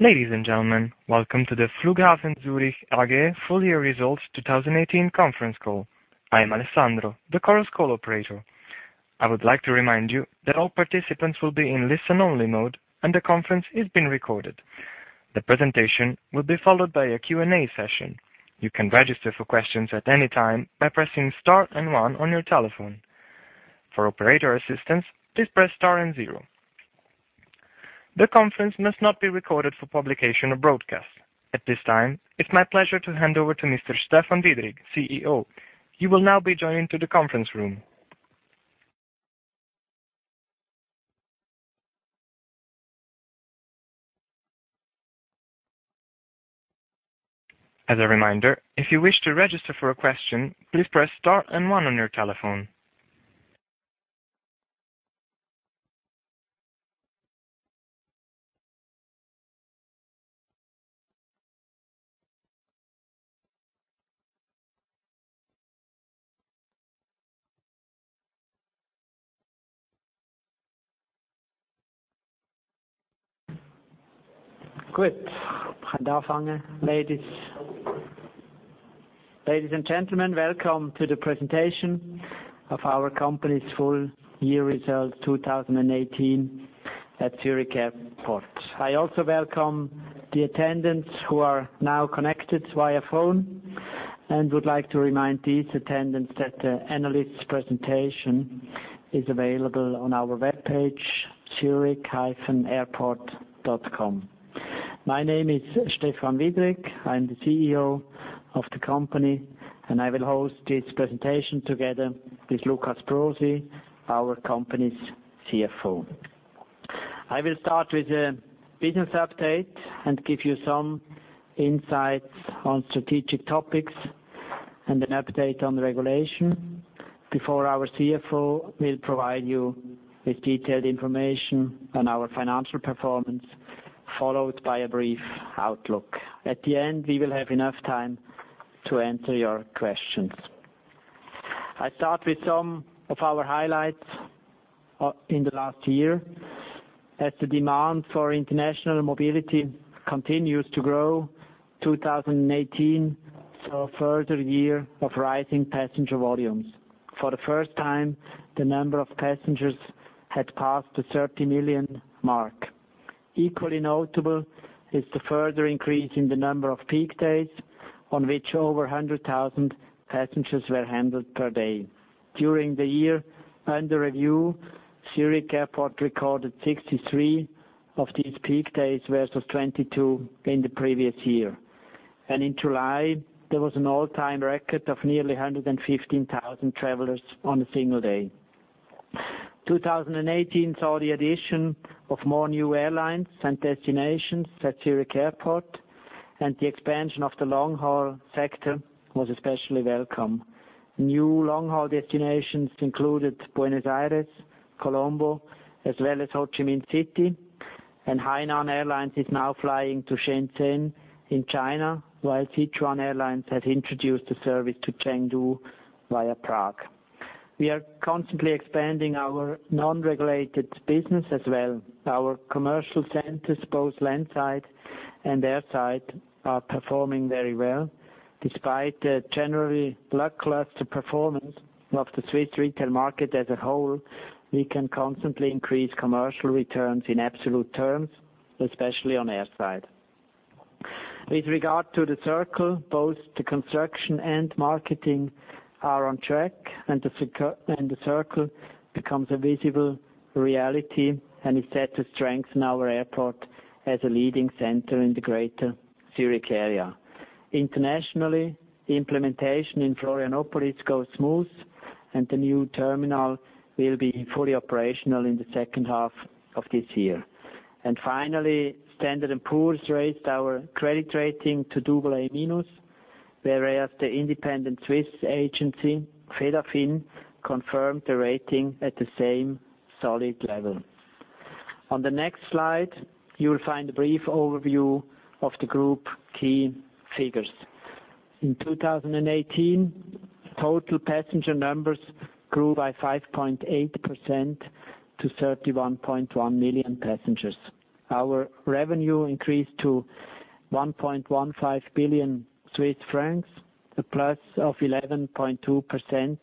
Ladies and gentlemen, welcome to the Flughafen Zürich AG full year results 2018 conference call. I am Alessandro, the conference call operator. I would like to remind you that all participants will be in listen-only mode. The conference is being recorded. The presentation will be followed by a Q&A session. You can register for questions at any time by pressing star and one on your telephone. For operator assistance, please press star and zero. The conference must not be recorded for publication or broadcast. At this time, it's my pleasure to hand over to Mr. Stefan Dietrick, CEO. He will now be joining to the conference room. As a reminder, if you wish to register for a question, please press star and one on your telephone. Good. We can start. Ladies and gentlemen, welcome to the presentation of our company's full year results 2018 at Zurich Airport. I also welcome the attendants who are now connected via phone. Would like to remind these attendants that the analyst presentation is available on our webpage, zurich-airport.com. My name is Stefan Dietrick. I'm the CEO of the company. I will host this presentation together with Lukas Brosi, our company's CFO. I will start with a business update and give you some insights on strategic topics and an update on the regulation before our CFO will provide you with detailed information on our financial performance, followed by a brief outlook. At the end, we will have enough time to answer your questions. I start with some of our highlights in the last year. As the demand for international mobility continues to grow, 2018 saw a further year of rising passenger volumes. For the first time, the number of passengers had passed the 30 million mark. Equally notable is the further increase in the number of peak days on which over 100,000 passengers were handled per day. During the year, under review, Zurich Airport recorded 63 of these peak days versus 22 in the previous year. In July, there was an all-time record of nearly 115,000 travelers on a single day. 2018 saw the addition of more new airlines and destinations at Zurich Airport. The expansion of the long-haul sector was especially welcome. New long-haul destinations included Buenos Aires, Colombo, as well as Ho Chi Minh City. Hainan Airlines is now flying to Shenzhen in China, while Sichuan Airlines has introduced a service to Chengdu via Prague. We are constantly expanding our non-regulated business as well. Our commercial centers, both land side and air side, are performing very well. Despite the generally lackluster performance of the Swiss retail market as a whole, we can constantly increase commercial returns in absolute terms, especially on air side. With regard to The Circle, both the construction and marketing are on track. The Circle becomes a visible reality and is set to strengthen our airport as a leading center in the Greater Zurich area. Internationally, the implementation in Florianopolis goes smooth. The new terminal will be fully operational in the second half of this year. Finally, Standard & Poor's raised our credit rating to AA-, whereas the independent Swiss agency, Creditreform, confirmed the rating at the same solid level. On the next slide, you will find a brief overview of the group key figures. In 2018, total passenger numbers grew by 5.8% to 31.1 million passengers. Our revenue increased to 1.15 billion Swiss francs, a plus of 11.2%,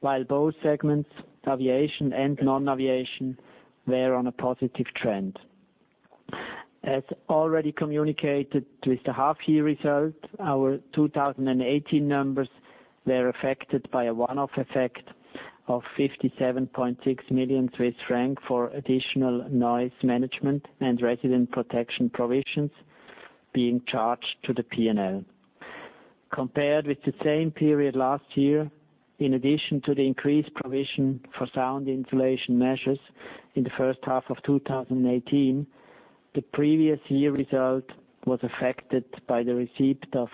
while both segments, aviation and non-aviation, were on a positive trend. As already communicated with the half year result, our 2018 numbers were affected by a one-off effect of 57.6 million Swiss francs for additional noise management and resident protection provisions being charged to the P&L. Compared with the same period last year, in addition to the increased provision for sound insulation measures in the first half of 2018, the previous year result was affected by the receipt of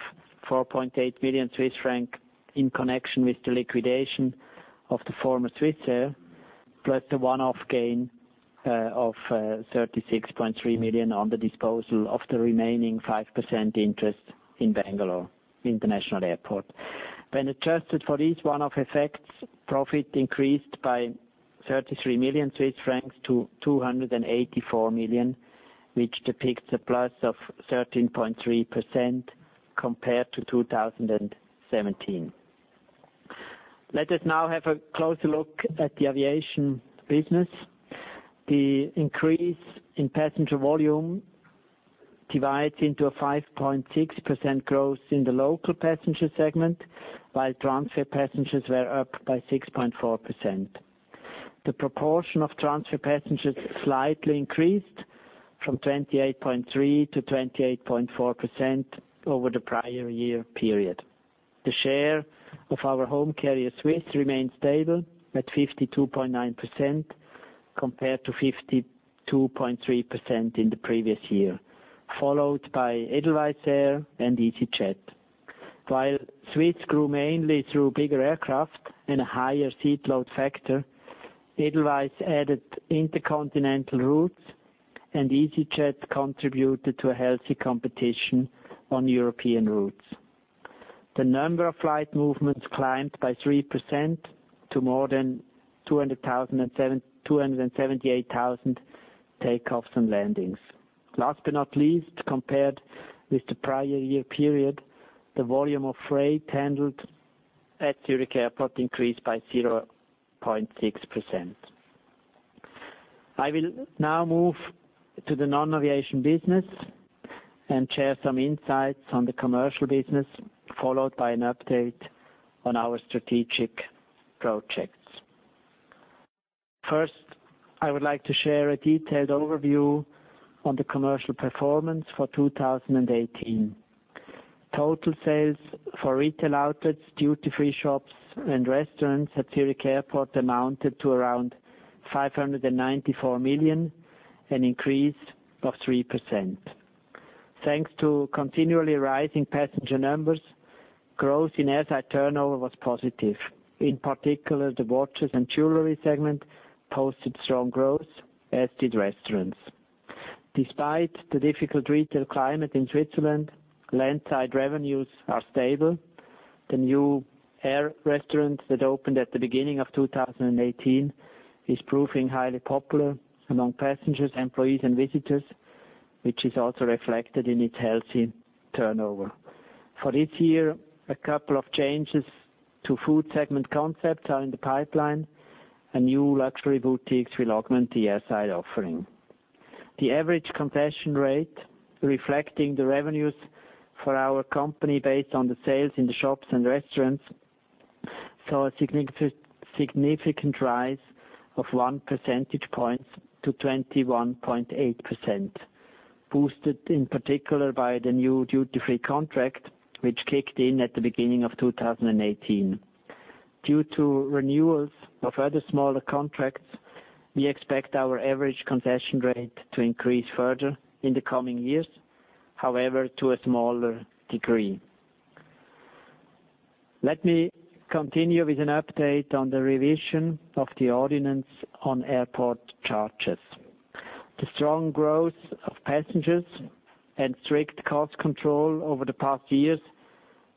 4.8 million Swiss francs in connection with the liquidation of the former Swissair, plus the one-off gain of 36.3 million on the disposal of the remaining 5% interest in Bangalore International Airport. Adjusted for each one of effects, profit increased by 33 million Swiss francs to 284 million, which depicts a plus of 13.3% compared to 2017. Let us now have a closer look at the aviation business. The increase in passenger volume divides into a 5.6% growth in the local passenger segment, while transfer passengers were up by 6.4%. The proportion of transfer passengers slightly increased from 28.3% to 28.4% over the prior year period. The share of our home carrier, Swiss, remained stable at 52.9% compared to 52.3% in the previous year, followed by Edelweiss Air and easyJet. While Swiss grew mainly through bigger aircraft and a higher seat load factor, Edelweiss added intercontinental routes, and easyJet contributed to a healthy competition on European routes. The number of flight movements climbed by 3% to more than 278,000 takeoffs and landings. Last but not least, compared with the prior year period, the volume of freight handled at Zurich Airport increased by 0.6%. I will now move to the non-aviation business and share some insights on the commercial business, followed by an update on our strategic projects. First, I would like to share a detailed overview on the commercial performance for 2018. Total sales for retail outlets, duty-free shops, and restaurants at Zurich Airport amounted to around 594 million, an increase of 3%. Thanks to continually rising passenger numbers, growth in air side turnover was positive. In particular, the watches and jewelry segment posted strong growth, as did restaurants. Despite the difficult retail climate in Switzerland, landside revenues are stable. The new AIR Restaurant that opened at the beginning of 2018 is proving highly popular among passengers, employees, and visitors, which is also reflected in its healthy turnover. For this year, a couple of changes to food segment concepts are in the pipeline. A new luxury boutiques will augment the air side offering. The average concession rate reflecting the revenues for our company based on the sales in the shops and restaurants, saw a significant rise of one percentage point to 21.8%, boosted in particular by the new duty-free contract, which kicked in at the beginning of 2018. Due to renewals of other smaller contracts, we expect our average concession rate to increase further in the coming years, however, to a smaller degree. Let me continue with an update on the revision of the ordinance on airport charges. The strong growth of passengers and strict cost control over the past years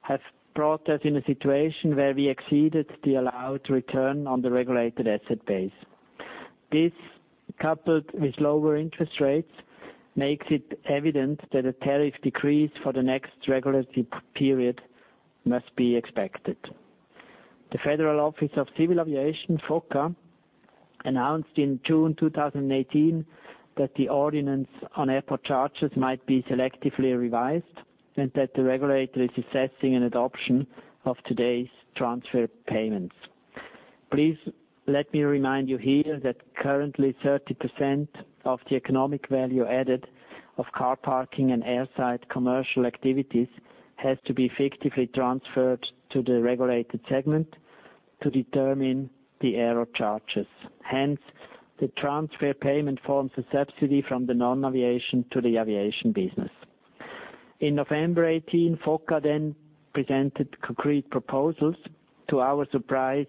have brought us in a situation where we exceeded the allowed return on the regulated asset base. This, coupled with lower interest rates, makes it evident that a tariff decrease for the next regulatory period must be expected. The Federal Office of Civil Aviation, FOCA, announced in June 2018 that the ordinance on airport charges might be selectively revised, and that the regulator is assessing an adoption of today's transfer payments. Please let me remind you here that currently 30% of the economic value added of car parking and air side commercial activities has to be effectively transferred to the regulated segment to determine the aero charges. Hence, the transfer payment forms a subsidy from the non-aviation to the aviation business. In November 2018, FOCA then presented concrete proposals. To our surprise,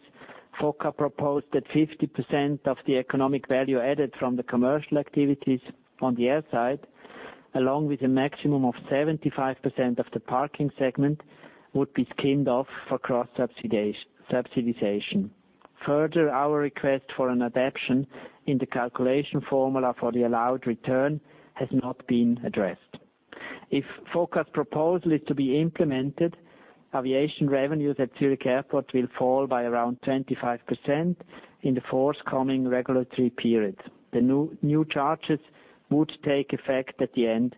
FOCA proposed that 50% of the economic value added from the commercial activities on the air side, along with a maximum of 75% of the parking segment, would be skinned off for cross-subsidization. Further, our request for an adaptation in the calculation formula for the allowed return has not been addressed. If FOCA's proposal is to be implemented, aviation revenues at Zurich Airport will fall by around 25% in the forthcoming regulatory period. The new charges would take effect at the end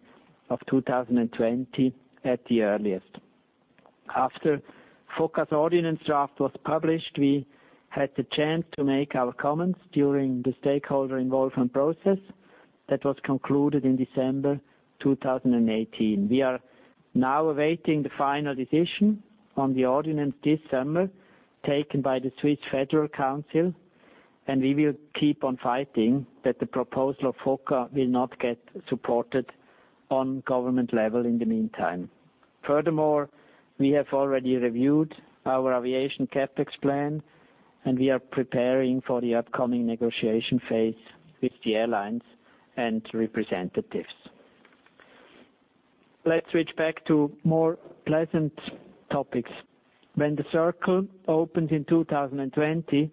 of 2020 at the earliest. After FOCA's ordinance draft was published, we had the chance to make our comments during the stakeholder involvement process that was concluded in December 2018. We are now awaiting the final decision on the ordinance this summer, taken by the Swiss Federal Council, and we will keep on fighting that the proposal of FOCA will not get supported on government level in the meantime. Furthermore, we have already reviewed our aviation CapEx plan, and we are preparing for the upcoming negotiation phase with the airlines and representatives. Let's switch back to more pleasant topics. When The Circle opens in 2020,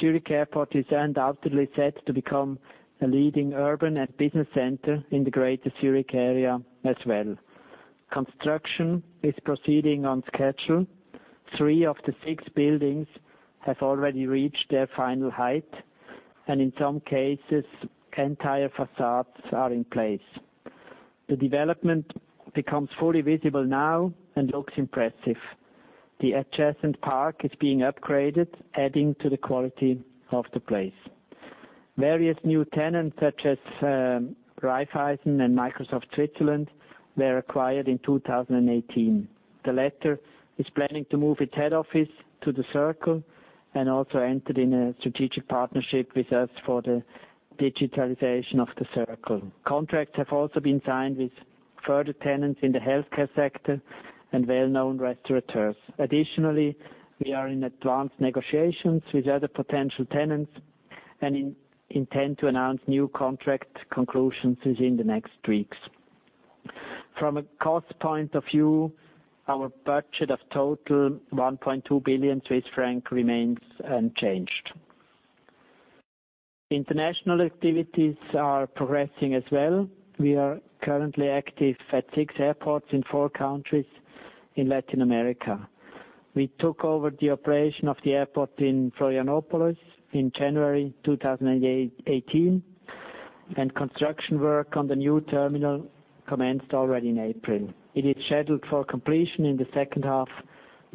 Zurich Airport is undoubtedly set to become a leading urban and business center in the greater Zurich area as well. Construction is proceeding on schedule. Three of the six buildings have already reached their final height, and in some cases, entire facades are in place. The development becomes fully visible now and looks impressive. The adjacent park is being upgraded, adding to the quality of the place. Various new tenants, such as Raiffeisen and Microsoft Switzerland, were acquired in 2018. The latter is planning to move its head office to The Circle and also entered in a strategic partnership with us for the digitalization of The Circle. Contracts have also been signed with further tenants in the healthcare sector and well-known restaurateurs. Additionally, we are in advanced negotiations with other potential tenants and intend to announce new contract conclusions within the next weeks. From a cost point of view, our budget of total 1.2 billion Swiss franc remains unchanged. International activities are progressing as well. We are currently active at six airports in four countries in Latin America. We took over the operation of the airport in Florianópolis in January 2018, construction work on the new terminal commenced already in April. It is scheduled for completion in the second half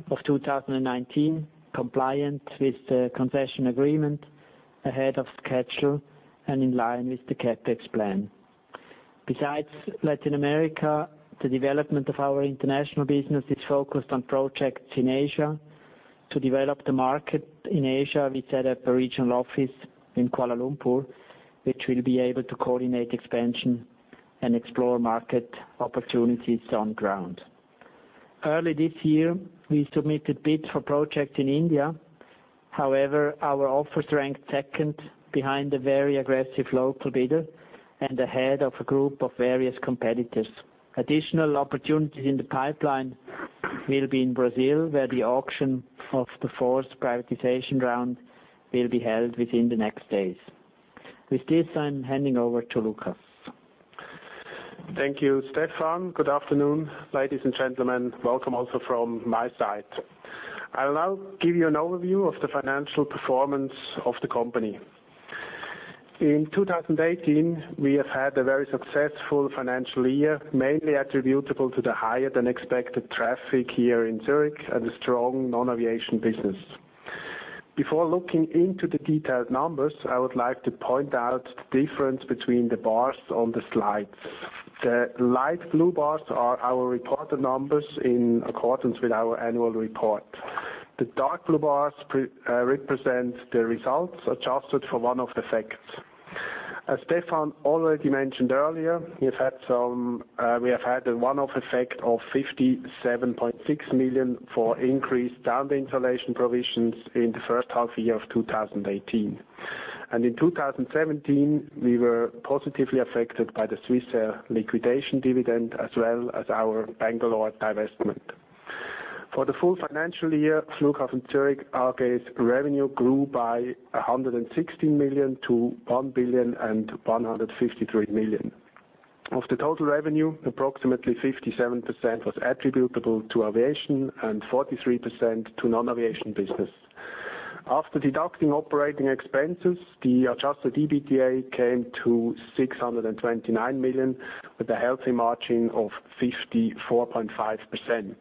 of 2019, compliant with the concession agreement ahead of schedule and in line with the CapEx plan. Besides Latin America, the development of our international business is focused on projects in Asia. To develop the market in Asia, we set up a regional office in Kuala Lumpur, which will be able to coordinate expansion and explore market opportunities on ground. Early this year, we submitted bids for projects in India. However, our office ranked second behind a very aggressive local bidder and ahead of a group of various competitors. Additional opportunities in the pipeline will be in Brazil, where the auction of the fourth privatization round will be held within the next days. With this, I'm handing over to Lukas. Thank you, Stefan. Good afternoon, ladies and gentlemen. Welcome also from my side. I'll now give you an overview of the financial performance of the company. In 2018, we have had a very successful financial year, mainly attributable to the higher than expected traffic here in Zurich and a strong non-aviation business. Before looking into the detailed numbers, I would like to point out the difference between the bars on the slides. The light blue bars are our reported numbers in accordance with our annual report. The dark blue bars represent the results adjusted for one-off effects. As Stefan already mentioned earlier, we have had a one-off effect of 57.6 million for increased sound insulation provisions in the first half year of 2018. In 2017, we were positively affected by the Swissair liquidation dividend as well as our Bangalore divestment. For the full financial year, Flughafen Zürich AG's revenue grew by 116 million to 1 billion 153 million. Of the total revenue, approximately 57% was attributable to aviation and 43% to non-aviation business. After deducting operating expenses, the adjusted EBITDA came to 629 million, with a healthy margin of 54.5%.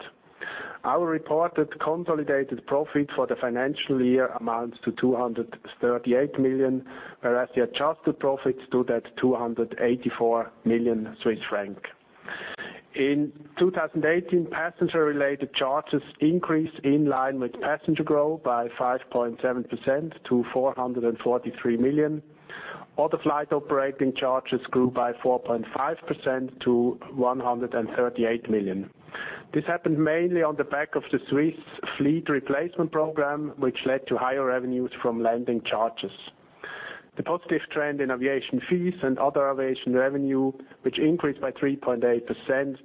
Our reported consolidated profit for the financial year amounts to 238 million, whereas the adjusted profits stood at 284 million Swiss franc. In 2018, passenger-related charges increased in line with passenger growth by 5.7% to 443 million. Other flight operating charges grew by 4.5% to 138 million. This happened mainly on the back of the Swiss fleet replacement program, which led to higher revenues from landing charges. The positive trend in aviation fees and other aviation revenue, which increased by 3.8%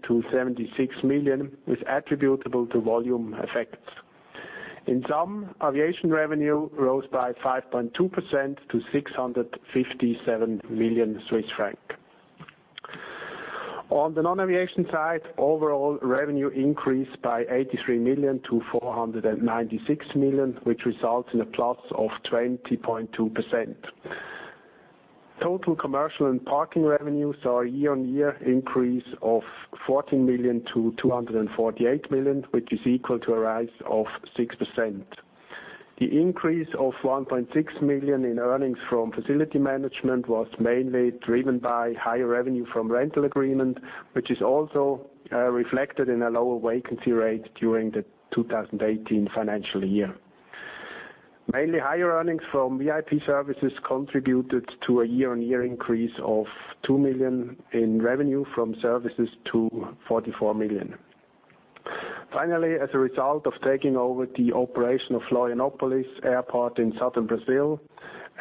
to 76 million, was attributable to volume effects. In sum, aviation revenue rose by 5.2% to 657 million Swiss francs. On the non-aviation side, overall revenue increased by 83 million to 496 million, which results in a plus of 20.2%. Total commercial and parking revenues saw a year-on-year increase of 14 million to 248 million, which is equal to a rise of 6%. The increase of 1.6 million in earnings from facility management was mainly driven by higher revenue from rental agreement, which is also reflected in a lower vacancy rate during the 2018 financial year. Mainly higher earnings from VIP services contributed to a year-on-year increase of 2 million in revenue from services to 44 million. Finally, as a result of taking over the operation of Florianopolis Airport in southern Brazil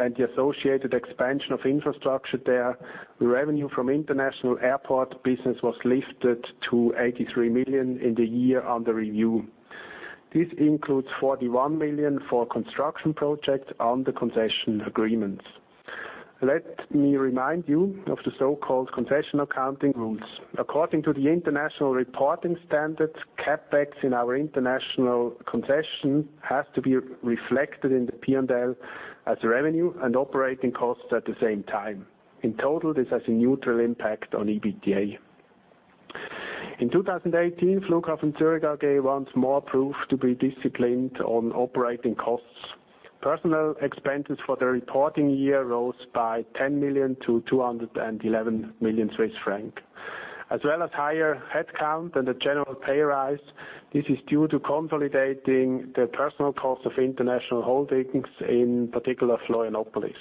and the associated expansion of infrastructure there, the revenue from international airport business was lifted to 83 million in the year under review. This includes 41 million for construction projects under concession agreements. Let me remind you of the so-called concession accounting rules. According to the international reporting standards, CapEx in our international concession has to be reflected in the P&L as revenue and operating costs at the same time. In total, this has a neutral impact on EBITDA. In 2018, Flughafen Zürich gave once more proof to be disciplined on operating costs. Personnel expenses for the reporting year rose by 10 million to 211 million Swiss francs. As well as higher headcount and a general pay rise, this is due to consolidating the personal cost of international holdings, in particular Florianopolis.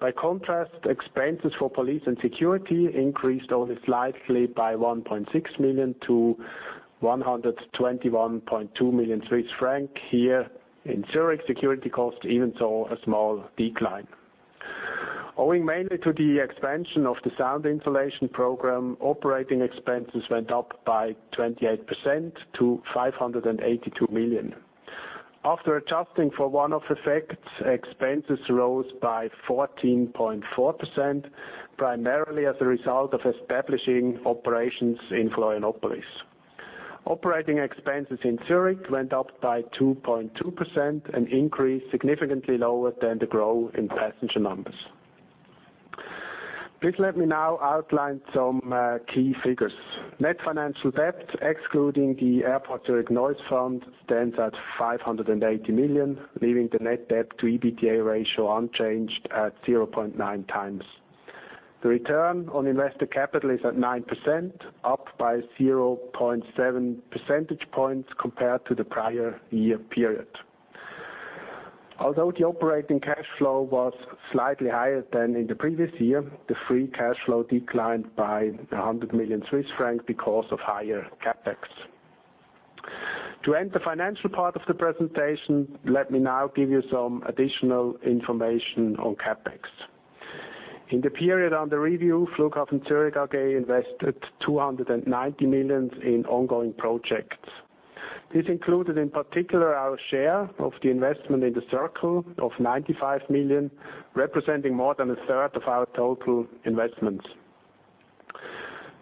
By contrast, expenses for police and security increased only slightly by 1.6 million to 121.2 million Swiss franc. Here in Zurich, security costs even saw a small decline. Owing mainly to the expansion of the sound insulation program, operating expenses went up by 28% to 582 million. After adjusting for one-off effects, expenses rose by 14.4%, primarily as a result of establishing operations in Florianopolis. Operating expenses in Zurich went up by 2.2%, an increase significantly lower than the growth in passenger numbers. Please let me now outline some key figures. Net financial debt, excluding the Airport Zurich Noise Fund, stands at 580 million, leaving the net debt to EBITDA ratio unchanged at 0.9 times. The return on invested capital is at 9%, up by 0.7 percentage points compared to the prior year period. Although the operating cash flow was slightly higher than in the previous year, the free cash flow declined by 100 million Swiss francs because of higher CapEx. To end the financial part of the presentation, let me now give you some additional information on CapEx. In the period under review, Flughafen Zürich invested 290 million in ongoing projects. This included, in particular, our share of the investment in The Circle of 95 million, representing more than a third of our total investments.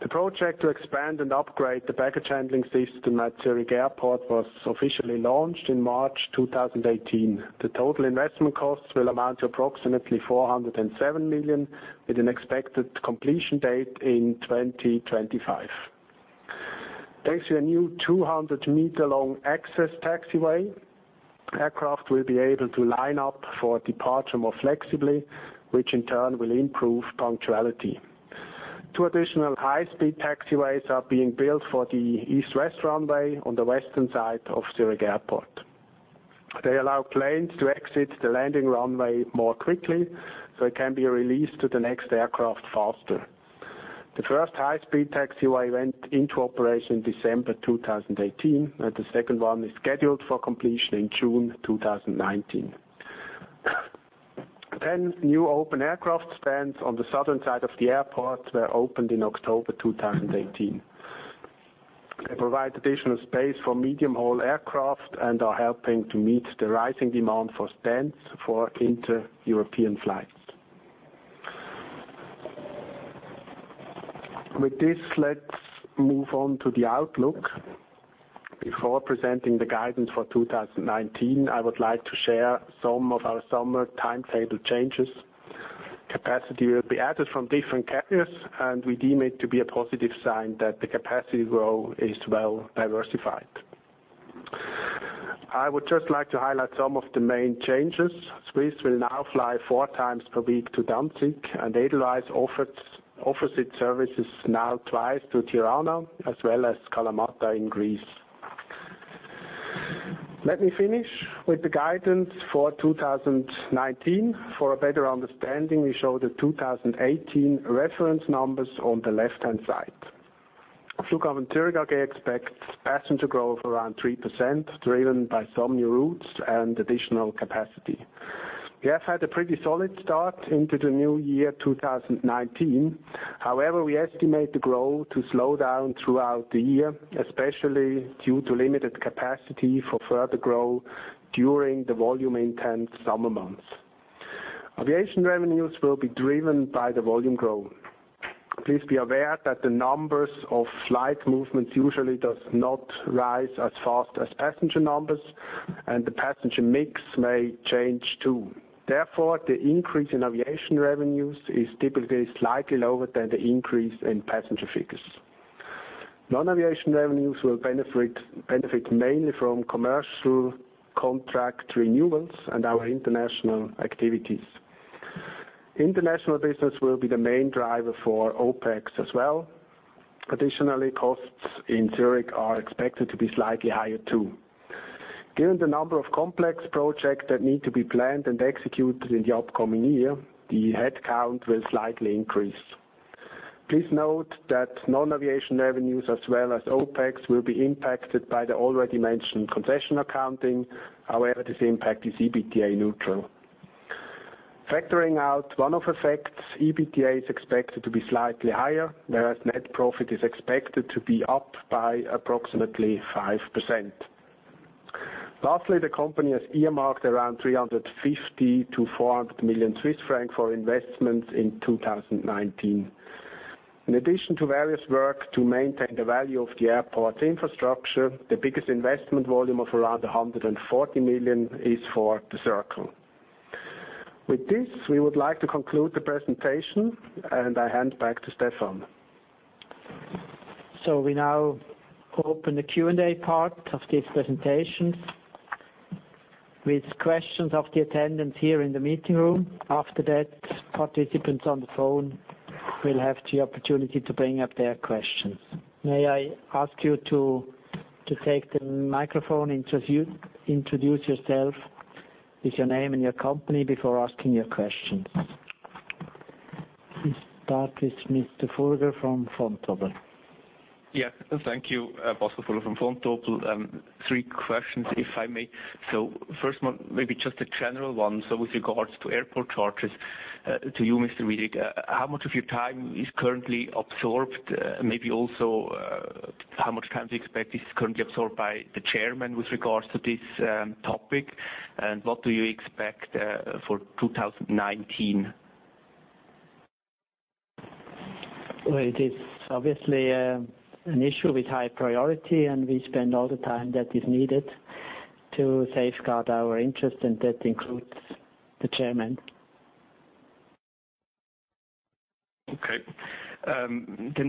The project to expand and upgrade the baggage handling system at Zurich Airport was officially launched in March 2018. The total investment costs will amount to approximately 407 million, with an expected completion date in 2025. Thanks to a new 200-meter-long access taxiway, aircraft will be able to line up for departure more flexibly, which in turn will improve punctuality. Two additional high-speed taxiways are being built for the east-west runway on the western side of Zurich Airport. They allow planes to exit the landing runway more quickly so it can be released to the next aircraft faster. The first high-speed taxiway went into operation December 2018, and the second one is scheduled for completion in June 2019. 10 new open aircraft stands on the southern side of the airport were opened in October 2018. They provide additional space for medium-haul aircraft and are helping to meet the rising demand for stands for inter-European flights. With this, let's move on to the outlook. Before presenting the guidance for 2019, I would like to share some of our summer timetable changes. Capacity will be added from different carriers, and we deem it to be a positive sign that the capacity growth is well diversified. I would just like to highlight some of the main changes. Swiss will now fly four times per week to Gdańsk, and Edelweiss offers its services now twice to Tirana as well as Kalamata in Greece. Let me finish with the guidance for 2019. For a better understanding, we show the 2018 reference numbers on the left-hand side. Flughafen Zürich expects passenger growth around 3%, driven by some new routes and additional capacity. We have had a pretty solid start into the new year, 2019. However, we estimate the growth to slow down throughout the year, especially due to limited capacity for further growth during the volume intense summer months. Aviation revenues will be driven by the volume growth. Please be aware that the numbers of flight movements usually does not rise as fast as passenger numbers and the passenger mix may change, too. Therefore, the increase in aviation revenues is typically slightly lower than the increase in passenger figures. Non-aviation revenues will benefit mainly from commercial contract renewals and our international activities. International business will be the main driver for OpEx as well. Additionally, costs in Zurich are expected to be slightly higher, too. Given the number of complex projects that need to be planned and executed in the upcoming year, the headcount will slightly increase. Please note that non-aviation revenues as well as OpEx will be impacted by the already mentioned concession accounting. However, this impact is EBITDA neutral. Factoring out one of effects, EBITDA is expected to be slightly higher, whereas net profit is expected to be up by approximately 5%. Lastly, the company has earmarked around 350 million-400 million Swiss francs for investment in 2019. In addition to various work to maintain the value of the airport's infrastructure, the biggest investment volume of around 140 million is for The Circle. With this, we would like to conclude the presentation, and I hand back to Stefan. We now open the Q&A part of this presentation with questions of the attendees here in the meeting room. After that, participants on the phone will have the opportunity to bring up their questions. May I ask you to take the microphone, introduce yourself with your name and your company before asking your questions. We start with Mr. Furger from Vontobel. Thank you. Bosso Furger from Vontobel. Three questions, if I may. First one, maybe just a general one. With regards to airport charges, to you, Mr. Dietrick, how much of your time is currently absorbed? Maybe also, how much time do you expect is currently absorbed by the chairman with regards to this topic, and what do you expect for 2019? It is obviously an issue with high priority, and we spend all the time that is needed to safeguard our interest, and that includes the chairman.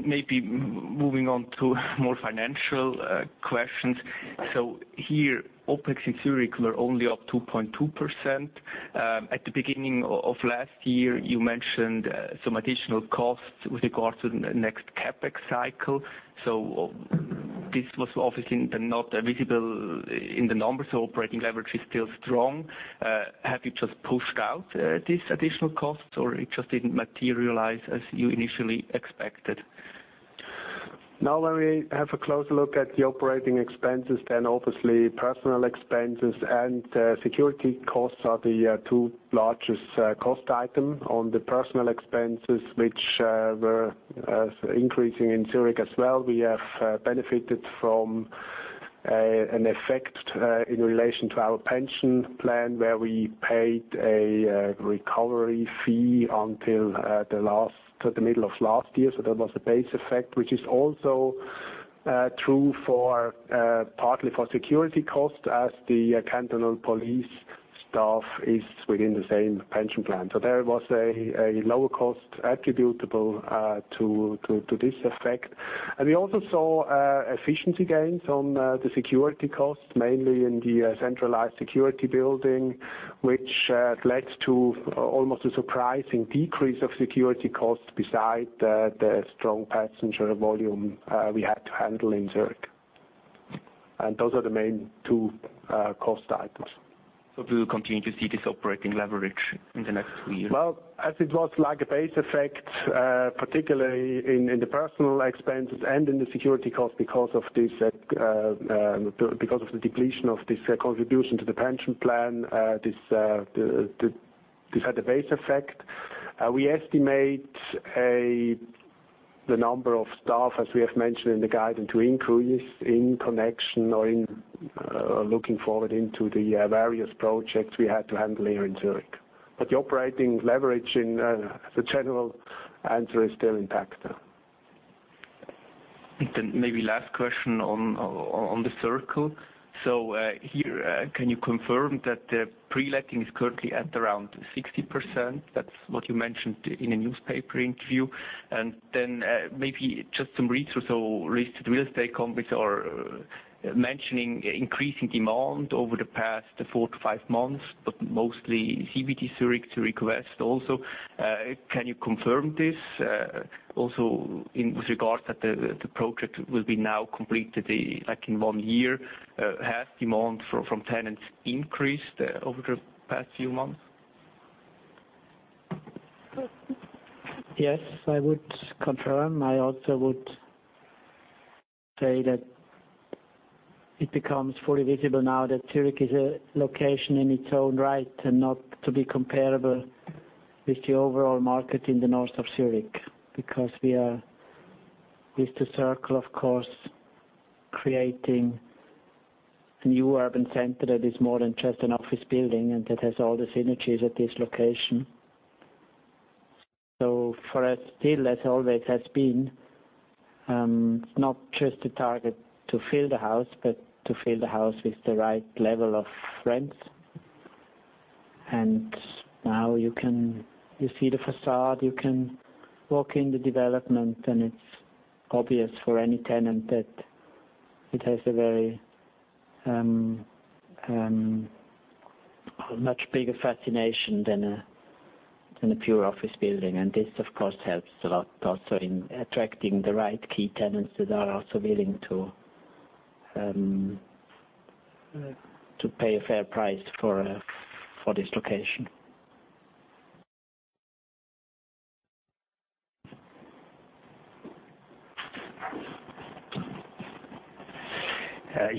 Maybe moving on to more financial questions. Here, OpEx in Zurich were only up 2.2%. At the beginning of last year, you mentioned some additional costs with regards to the next CapEx cycle, so this was obviously not visible in the numbers, so operating leverage is still strong. Have you just pushed out these additional costs, or it just didn't materialize as you initially expected? When we have a closer look at the operating expenses, obviously personal expenses and security costs are the two largest cost item. On the personal expenses, which were increasing in Zurich as well. We have benefited from an effect in relation to our pension plan, where we paid a recovery fee until the middle of last year. That was the base effect, which is also true partly for security costs as the cantonal police staff is within the same pension plan. There was a lower cost attributable to this effect. We also saw efficiency gains on the security costs, mainly in the centralized security building, which led to almost a surprising decrease of security costs beside the strong passenger volume we had to handle in Zurich. Those are the main two cost items. Do you continue to see this operating leverage in the next year? As it was like a base effect, particularly in the personal expenses and in the security costs because of the depletion of this contribution to the pension plan, this had a base effect. We estimate the number of staff, as we have mentioned in the guidance, to increase in connection or in looking forward into the various projects we had to handle here in Zurich. The operating leverage in the general answer is still intact. Maybe last question on The Circle. Here, can you confirm that pre-letting is currently at around 60%? That is what you mentioned in a newspaper interview. Maybe just some research or listed real estate companies are mentioning increasing demand over the past four to five months, but mostly CBD Zurich request also. Can you confirm this? Also with regards that the project will be now completed in one year. Has demand from tenants increased over the past few months? Yes, I would confirm. I also would say that it becomes fully visible now that Zurich is a location in its own right and not to be comparable with the overall market in the north of Zurich. We are, with The Circle, of course, creating a new urban center that is more than just an office building and that has all the synergies at this location. For us, still, as always has been, it is not just a target to fill the house, but to fill the house with the right level of rents. Now you see the façade, you can walk in the development, and it is obvious for any tenant that it has a very much bigger fascination than a pure office building. This of course helps a lot also in attracting the right key tenants that are also willing to pay a fair price for this location.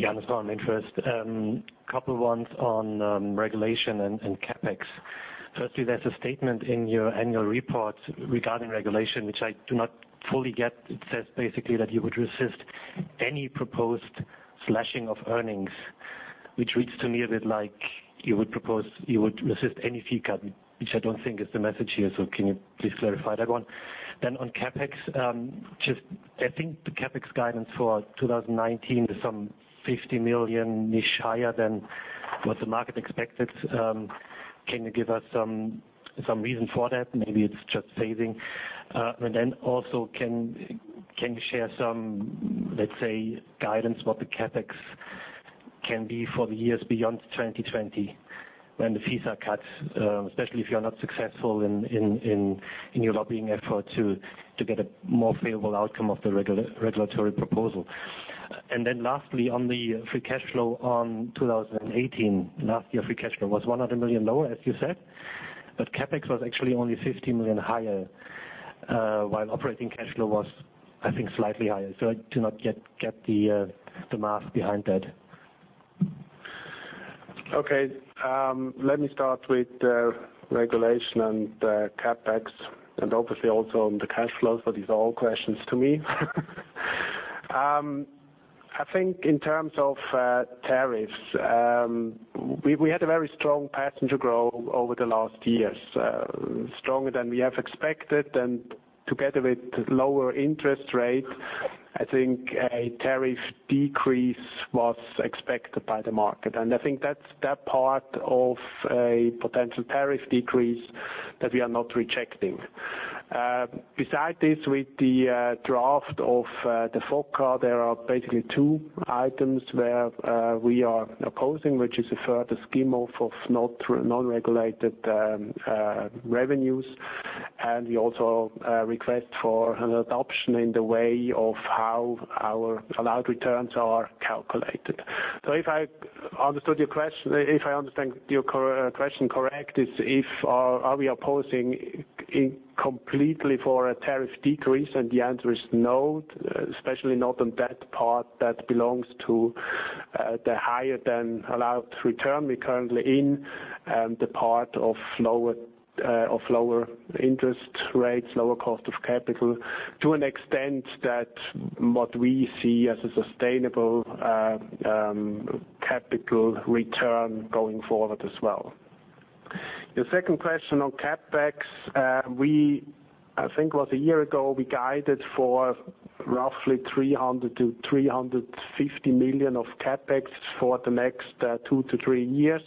Jan Storm MainFirst. Couple ones on regulation and CapEx. Firstly, there is a statement in your annual report regarding regulation, which I do not fully get. It says basically that you would resist any proposed slashing of earnings, which reads to me a bit like you would resist any fee cut, which I do not think is the message here. Can you please clarify that one? On CapEx, just I think the CapEx guidance for 2019 is some 50 million-ish higher than what the market expected. Can you give us some reason for that? Maybe it is just phasing. Also can you share some, let us say, guidance what the CapEx can be for the years beyond 2020 when the fees are cut, especially if you are not successful in your lobbying effort to get a more favorable outcome of the regulatory proposal. Lastly, on the free cash flow on 2018. Last year, free cash flow was 100 million lower, as you said, but CapEx was actually only 50 million higher, while operating cash flow was, I think, slightly higher. I do not get the math behind that. Okay. Let me start with regulation and CapEx, obviously also on the cash flows. These are all questions to me. In terms of tariffs, we had a very strong passenger growth over the last years, stronger than we have expected. Together with lower interest rates, I think a tariff decrease was expected by the market. I think that part of a potential tariff decrease that we are not rejecting. Besides this, with the draft of the FOCA, there are basically two items where we are opposing, which is the further scheme of non-regulated revenues. We also request for an adoption in the way of how our allowed returns are calculated. If I understand your question correct, is if are we opposing completely for a tariff decrease? The answer is no, especially not on that part that belongs to the higher than allowed return we're currently in, and the part of lower interest rates, lower cost of capital to an extent that what we see as a sustainable capital return going forward as well. Your second question on CapEx. I think it was a year ago, we guided for roughly 300 million-350 million of CapEx for the next two to three years.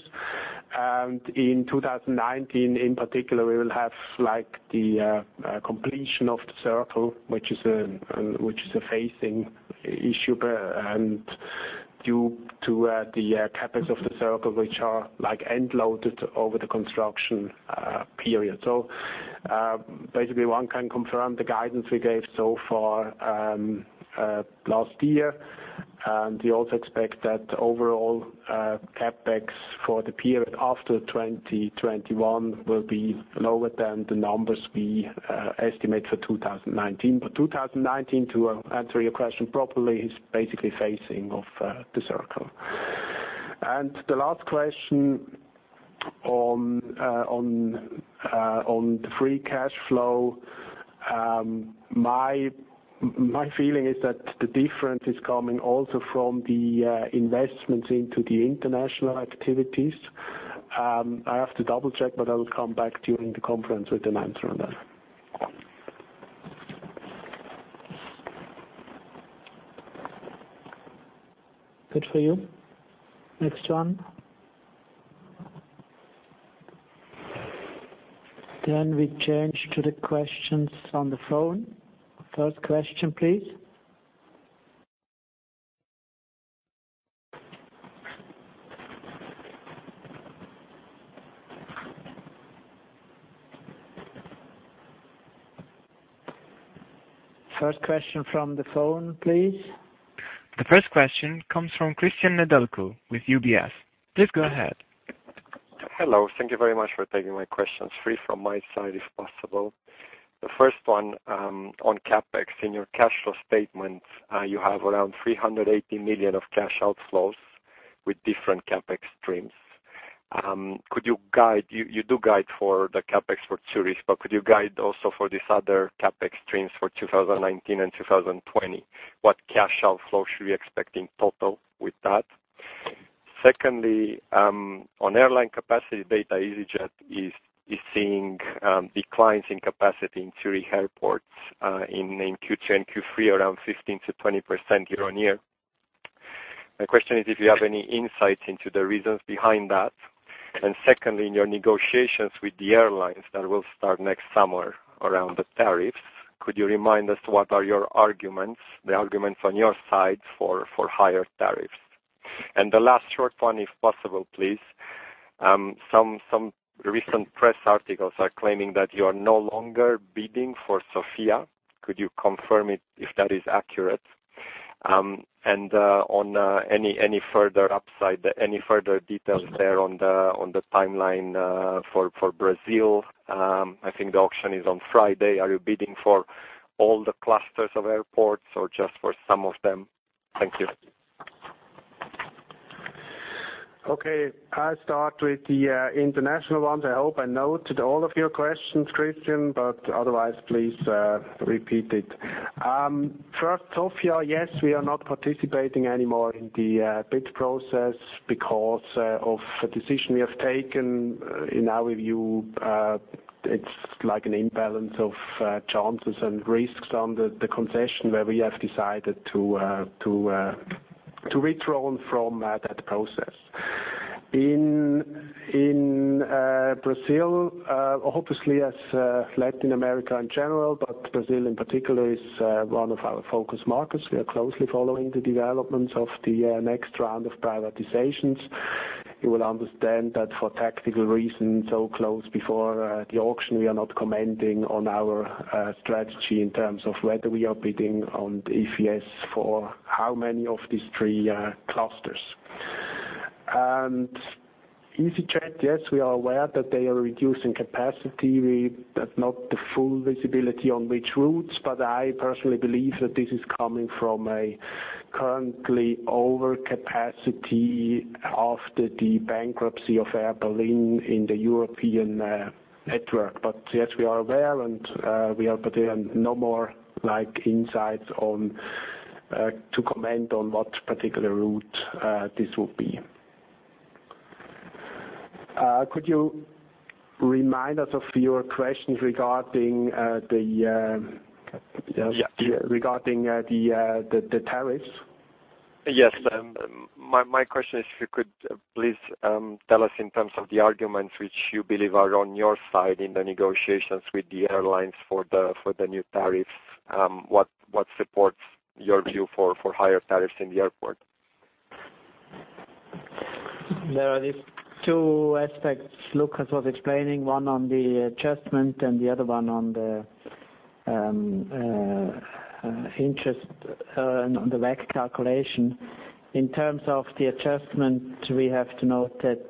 In 2019, in particular, we will have the completion of The Circle, which is a phasing issue, due to the CapEx of The Circle, which are end loaded over the construction period. Basically one can confirm the guidance we gave so far, last year. We also expect that overall CapEx for the period after 2021 will be lower than the numbers we estimate for 2019. 2019, to answer your question properly, is basically phasing of The Circle. The last question on the free cash flow. My feeling is that the difference is coming also from the investments into the international activities. I have to double-check, but I will come back during the conference with an answer on that. Good for you. Next one. We change to the questions on the phone. First question, please. First question from the phone, please. The first question comes from Cristian Nedelcu with UBS. Please go ahead. Hello. Thank you very much for taking my questions. Three from my side, if possible. The first one, on CapEx. In your cash flow statement, you have around 380 million of cash outflows with different CapEx streams. You do guide for the CapEx for Zurich, but could you guide also for these other CapEx streams for 2019 and 2020? What cash outflow should we expect in total with that? Secondly, on airline capacity data, easyJet is seeing declines in capacity in Zurich airports, in Q2 and Q3, around 15%-20% year-over-year. My question is if you have any insight into the reasons behind that. Secondly, in your negotiations with the airlines that will start next summer around the tariffs? Could you remind us what are your arguments, the arguments on your side for higher tariffs? The last short one, if possible, please. Some recent press articles are claiming that you are no longer bidding for Sofia. Could you confirm if that is accurate? On any further upside, any further details there on the timeline for Brazil? I think the auction is on Friday. Are you bidding for all the clusters of airports or just for some of them? Thank you. Okay. I'll start with the international ones. I hope I noted all of your questions, Cristian, but otherwise, please repeat it. First, Sofia, yes, we are not participating anymore in the bid process because of a decision we have taken. In our view, it's like an imbalance of chances and risks on the concession, where we have decided to withdraw from that process. In Brazil, obviously as Latin America in general, but Brazil in particular is one of our focus markets. We are closely following the developments of the next round of privatizations. You will understand that for tactical reasons, so close before the auction, we are not commenting on our strategy in terms of whether we are bidding and if yes, for how many of these three clusters. easyJet, yes, we are aware that they are reducing capacity. We have not the full visibility on which routes, I personally believe that this is coming from a currently overcapacity after the bankruptcy of Air Berlin in the European network. Yes, we are aware, but there are no more insights to comment on what particular route this will be. Could you remind us of your questions regarding the tariffs? Yes. My question is, if you could please tell us in terms of the arguments which you believe are on your side in the negotiations with the airlines for the new tariffs, what supports your view for higher tariffs in the airport? There are these two aspects Lukas was explaining, one on the adjustment and the other one on the interest on the WACC calculation. In terms of the adjustment, we have to note that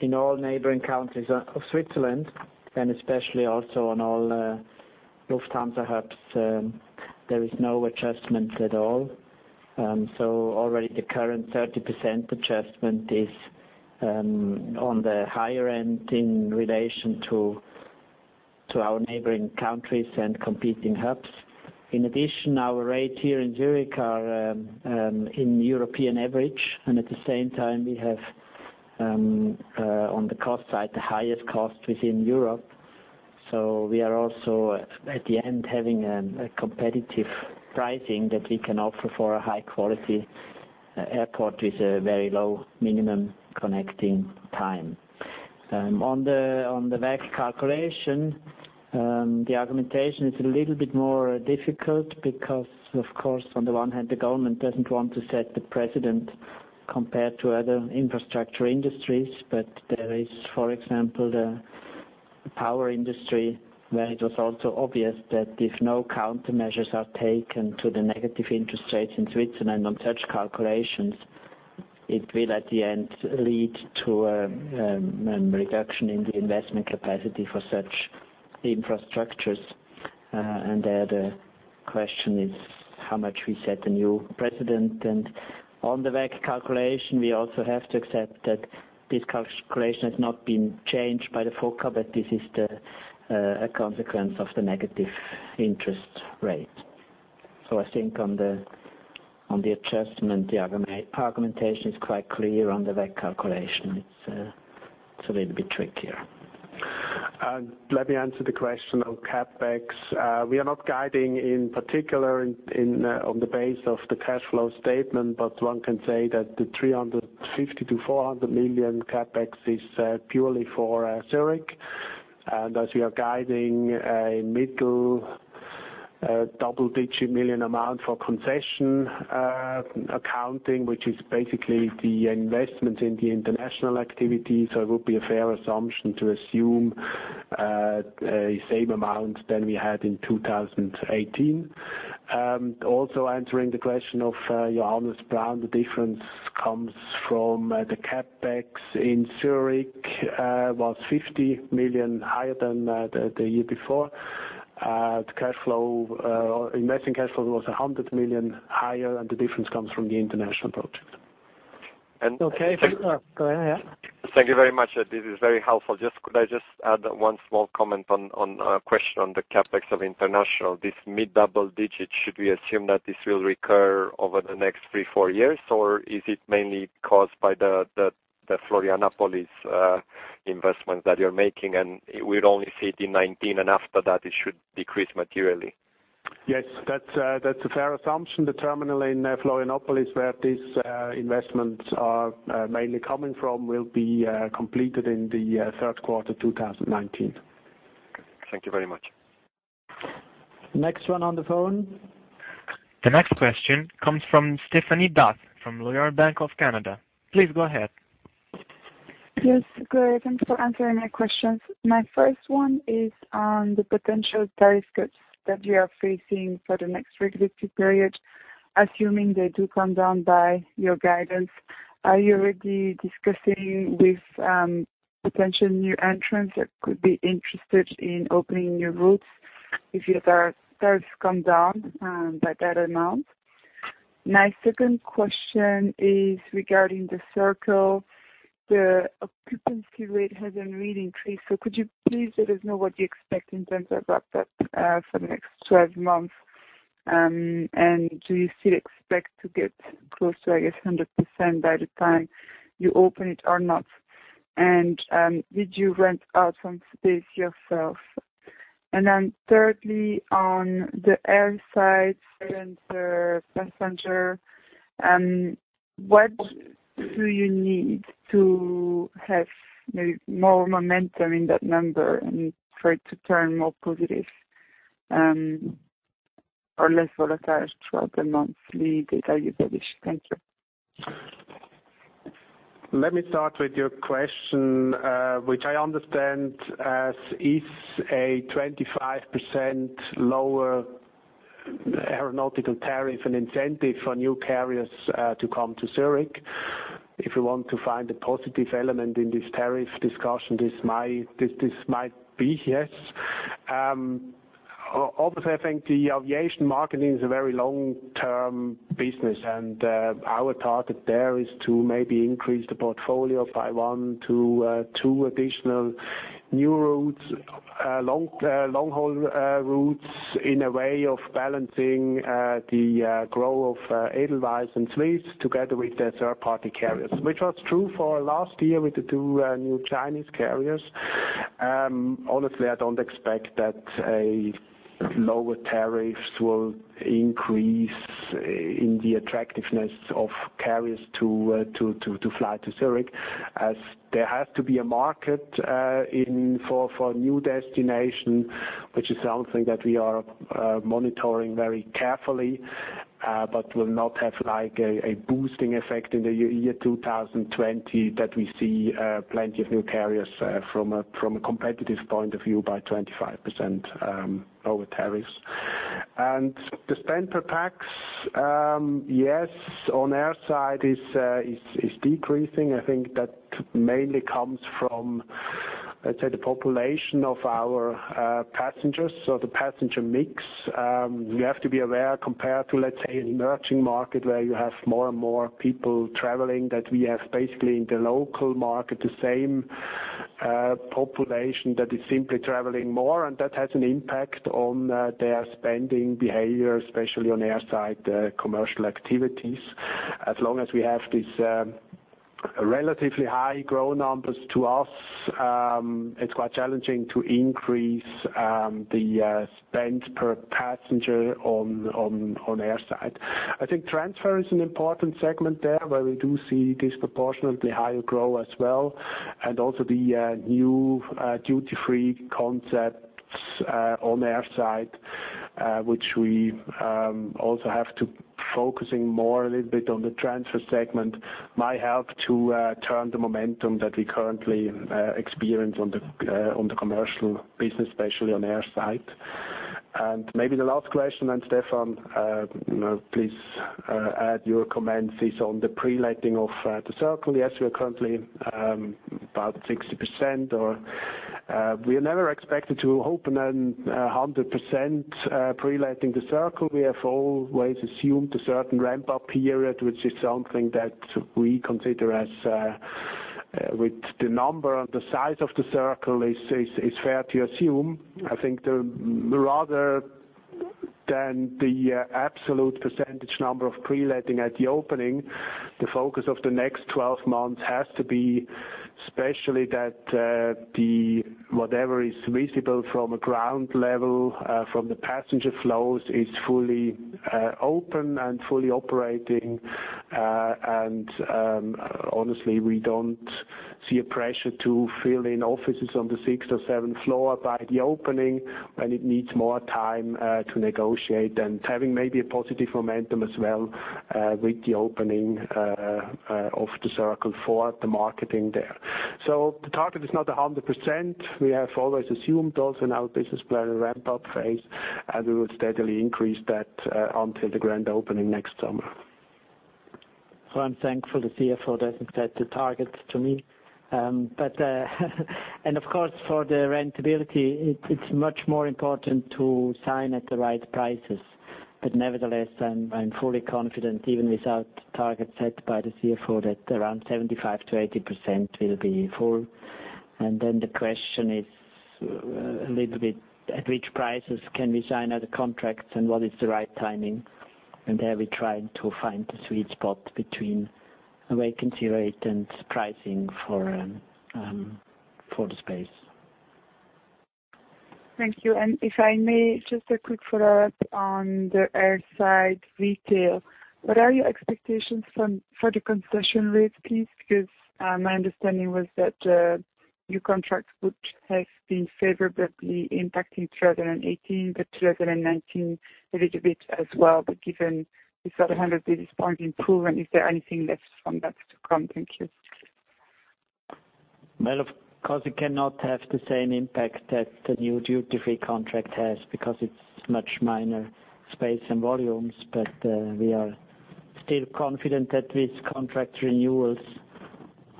in all neighboring countries of Switzerland, and especially also on all Lufthansa hubs, there is no adjustment at all. Already the current 30% adjustment is on the higher end in relation to our neighboring countries and competing hubs. In addition, our rates here in Zurich are in European average, and at the same time, we have on the cost side, the highest cost within Europe. We are also at the end having a competitive pricing that we can offer for a high-quality airport with a very low minimum connecting time. On the WACC calculation, the argumentation is a little bit more difficult because of course, on the one hand, the government doesn't want to set the precedent compared to other infrastructure industries. There is, for example, the power industry, where it was also obvious that if no countermeasures are taken to the negative interest rates in Switzerland on such calculations, it will at the end lead to a reduction in the investment capacity for such infrastructures. There, the question is how much we set a new precedent. On the WACC calculation, we also have to accept that this calculation has not been changed by the FOCA, but this is a consequence of the negative interest rate. I think on the adjustment, the argumentation is quite clear. On the WACC calculation, it's a little bit trickier. Let me answer the question on CapEx. We are not guiding in particular on the base of the cash flow statement, but one can say that the 350 million-400 million CapEx is purely for Zurich. As we are guiding a CHF mid double-digit million amount for concession accounting, which is basically the investment in the international activity. It would be a fair assumption to assume same amount than we had in 2018. Also answering the question of Johannes Braun, the difference comes from the CapEx in Zurich was 50 million higher than the year before. The investing cash flow was 100 million higher, the difference comes from the international project. And- Okay. Go ahead, yeah. Thank you very much. This is very helpful. Just could I just add one small comment on a question on the CapEx of international. This CHF mid double-digit, should we assume that this will recur over the next three, four years, or is it mainly caused by the Florianopolis investment that you are making, we would only see it in 2019, after that it should decrease materially? Yes, that's a fair assumption. The terminal in Florianopolis, where these investments are mainly coming from, will be completed in the third quarter 2019. Thank you very much. Next one on the phone. The next question comes from Stéphanie D'Ath from Royal Bank of Canada. Please go ahead. Yes. Good. Thanks for answering my questions. My first one is on the potential tariff cuts that you are facing for the next regulatory period. Assuming they do come down by your guidance, are you already discussing with potential new entrants that could be interested in opening new routes if your tariffs come down by that amount? My second question is regarding The Circle. The occupancy rate hasn't really increased, could you please let us know what you expect in terms of ramp up for the next 12 months? Do you still expect to get close to, I guess, 100% by the time you open it or not? Did you rent out some space yourself? Thirdly, on the air side and the passenger, what do you need to have maybe more momentum in that number and for it to turn more positive or less volatile throughout the monthly data you publish? Thank you. Let me start with your question, which I understand as is a 25% lower aeronautical tariff an incentive for new carriers to come to Zurich. If we want to find a positive element in this tariff discussion, this might be, yes. Obviously, I think the aviation market is a very long-term business, and our target there is to maybe increase the portfolio by one to two additional new routes, long haul routes in a way of balancing the growth of Edelweiss and Swiss together with the third party carriers. Which was true for last year with the two new Chinese carriers. Honestly, I don't expect that a lower tariffs will increase in the attractiveness of carriers to fly to Zurich as there has to be a market for new destination, which is something that we are monitoring very carefully, but will not have a boosting effect in the year 2020 that we see plenty of new carriers from a competitive point of view by 25% lower tariffs. The spend per pax. Yes, on air side is decreasing. I think that mainly comes from, let's say, the population of our passengers. So the passenger mix. We have to be aware compared to, let's say, an emerging market where you have more and more people traveling, that we have basically in the local market, the same population that is simply traveling more and that has an impact on their spending behavior, especially on air side commercial activities. As long as we have these relatively high growth numbers to us, it's quite challenging to increase the spend per passenger on air side. I think transfer is an important segment there where we do see disproportionately higher growth as well. Also the new duty free concepts on the air side, which we also have to focusing more a little bit on the transfer segment might help to turn the momentum that we currently experience on the commercial business, especially on air side. Maybe the last question, and Stefan please add your comments is on the pre-letting of The Circle. Yes, we are currently about 60% or we never expected to open on 100% pre-letting The Circle. We have always assumed a certain ramp up period, which is something that we consider as with the number and the size of The Circle is fair to assume. I think rather than the absolute percentage number of pre-letting at the opening, the focus of the next 12 months has to be especially that whatever is visible from a ground level from the passenger flows is fully open and fully operating. Honestly, we don't see a pressure to fill in offices on the sixth or seventh floor by the opening when it needs more time to negotiate and having maybe a positive momentum as well with the opening of The Circle for the marketing there. The target is not 100%. We have always assumed also in our business plan a ramp up phase, and we will steadily increase that until the grand opening next summer. I'm thankful the CFO doesn't set the targets to me. Of course, for the rentability, it's much more important to sign at the right prices. Nevertheless, I'm fully confident, even without target set by the CFO, that around 75%-80% will be full. The question is a little bit at which prices can we sign other contracts and what is the right timing? There we try to find the sweet spot between a vacancy rate and pricing for the space. Thank you. If I may, just a quick follow-up on the airside retail. What are your expectations for the concession rates, please? My understanding was that new contracts would have been favorably impacting 2018, but 2019 a little bit as well. Given this other 100 basis point improvement, is there anything left from that to come? Thank you. Well, of course, it cannot have the same impact that the new duty-free contract has because it's much minor space and volumes. We are still confident that with contract renewals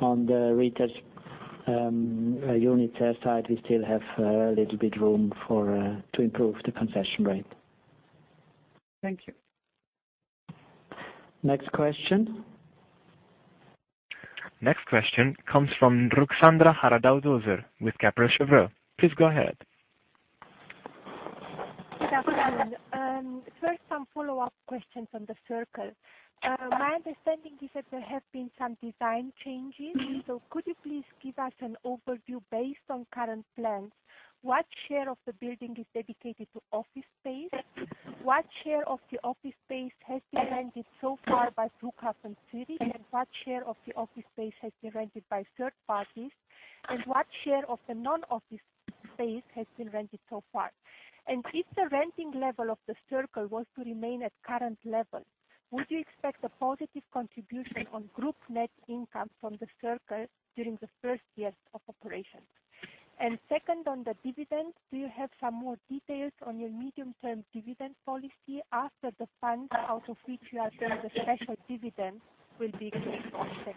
on the retail units airside, we still have a little bit of room to improve the concession rate. Thank you. Next question. Next question comes from Ruxandra Haradau-Döser with Credit Suisse. Please go ahead. Good afternoon. First, some follow-up questions on The Circle. My understanding is that there have been some design changes. Could you please give us an overview based on current plans, what share of the building is dedicated to office space? What share of the office space has been rented so far by Flughafen Zürich, and what share of the office space has been rented by third parties? What share of the non-office space has been rented so far? If the renting level of The Circle was to remain at current levels, would you expect a positive contribution on group net income from The Circle during the first years of operation? Second, on the dividends, do you have some more details on your medium-term dividend policy after the funds out of which you are paying the special dividend will be exhausted?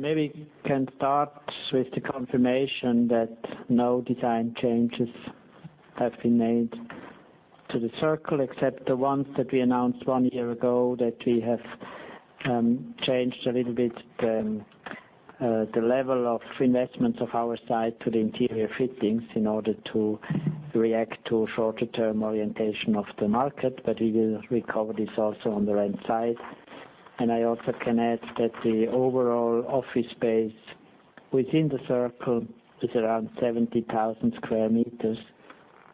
Maybe can start with the confirmation that no design changes have been made to The Circle except the ones that we announced one year ago, that we have changed a little bit the level of investments of our side to the interior fittings in order to react to shorter-term orientation of the market, but we will recover this also on the rent side. I also can add that the overall office space within The Circle is around 70,000 square meters,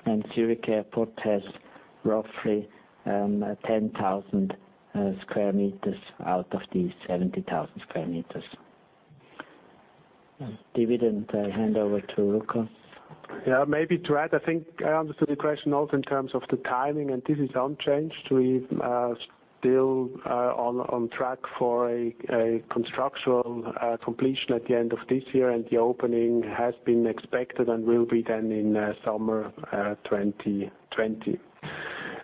and Zurich Airport has roughly 10,000 square meters out of these 70,000 square meters. Dividend, I hand over to Luka. Yeah. Maybe to add, I think I understood the question also in terms of the timing and this is unchanged. We're still on track for a construction completion at the end of this year, and the opening has been expected and will be then in summer 2020.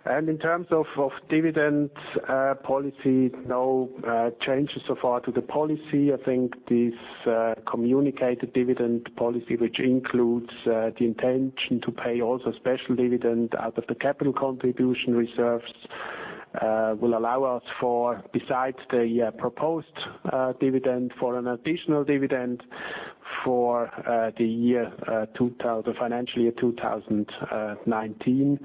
In terms of dividend policy, no changes so far to the policy. I think this communicated dividend policy, which includes the intention to pay also special dividend out of the capital contribution reserves, will allow us for, besides the proposed dividend, for an additional dividend for the financial year 2019,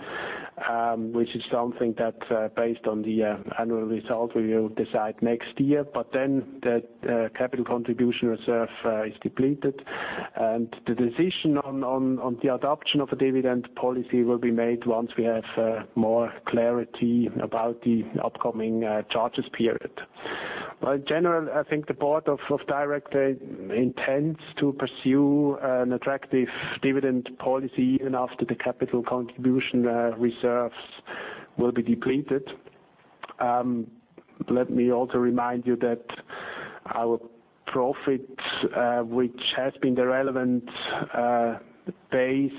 which is something that based on the annual result, we will decide next year. That capital contribution reserve is depleted. The decision on the adoption of a dividend policy will be made once we have more clarity about the upcoming charges period. In general, I think the board of directors intends to pursue an attractive dividend policy even after the capital contribution reserves will be depleted. Let me also remind you that our profit, which has been the relevant base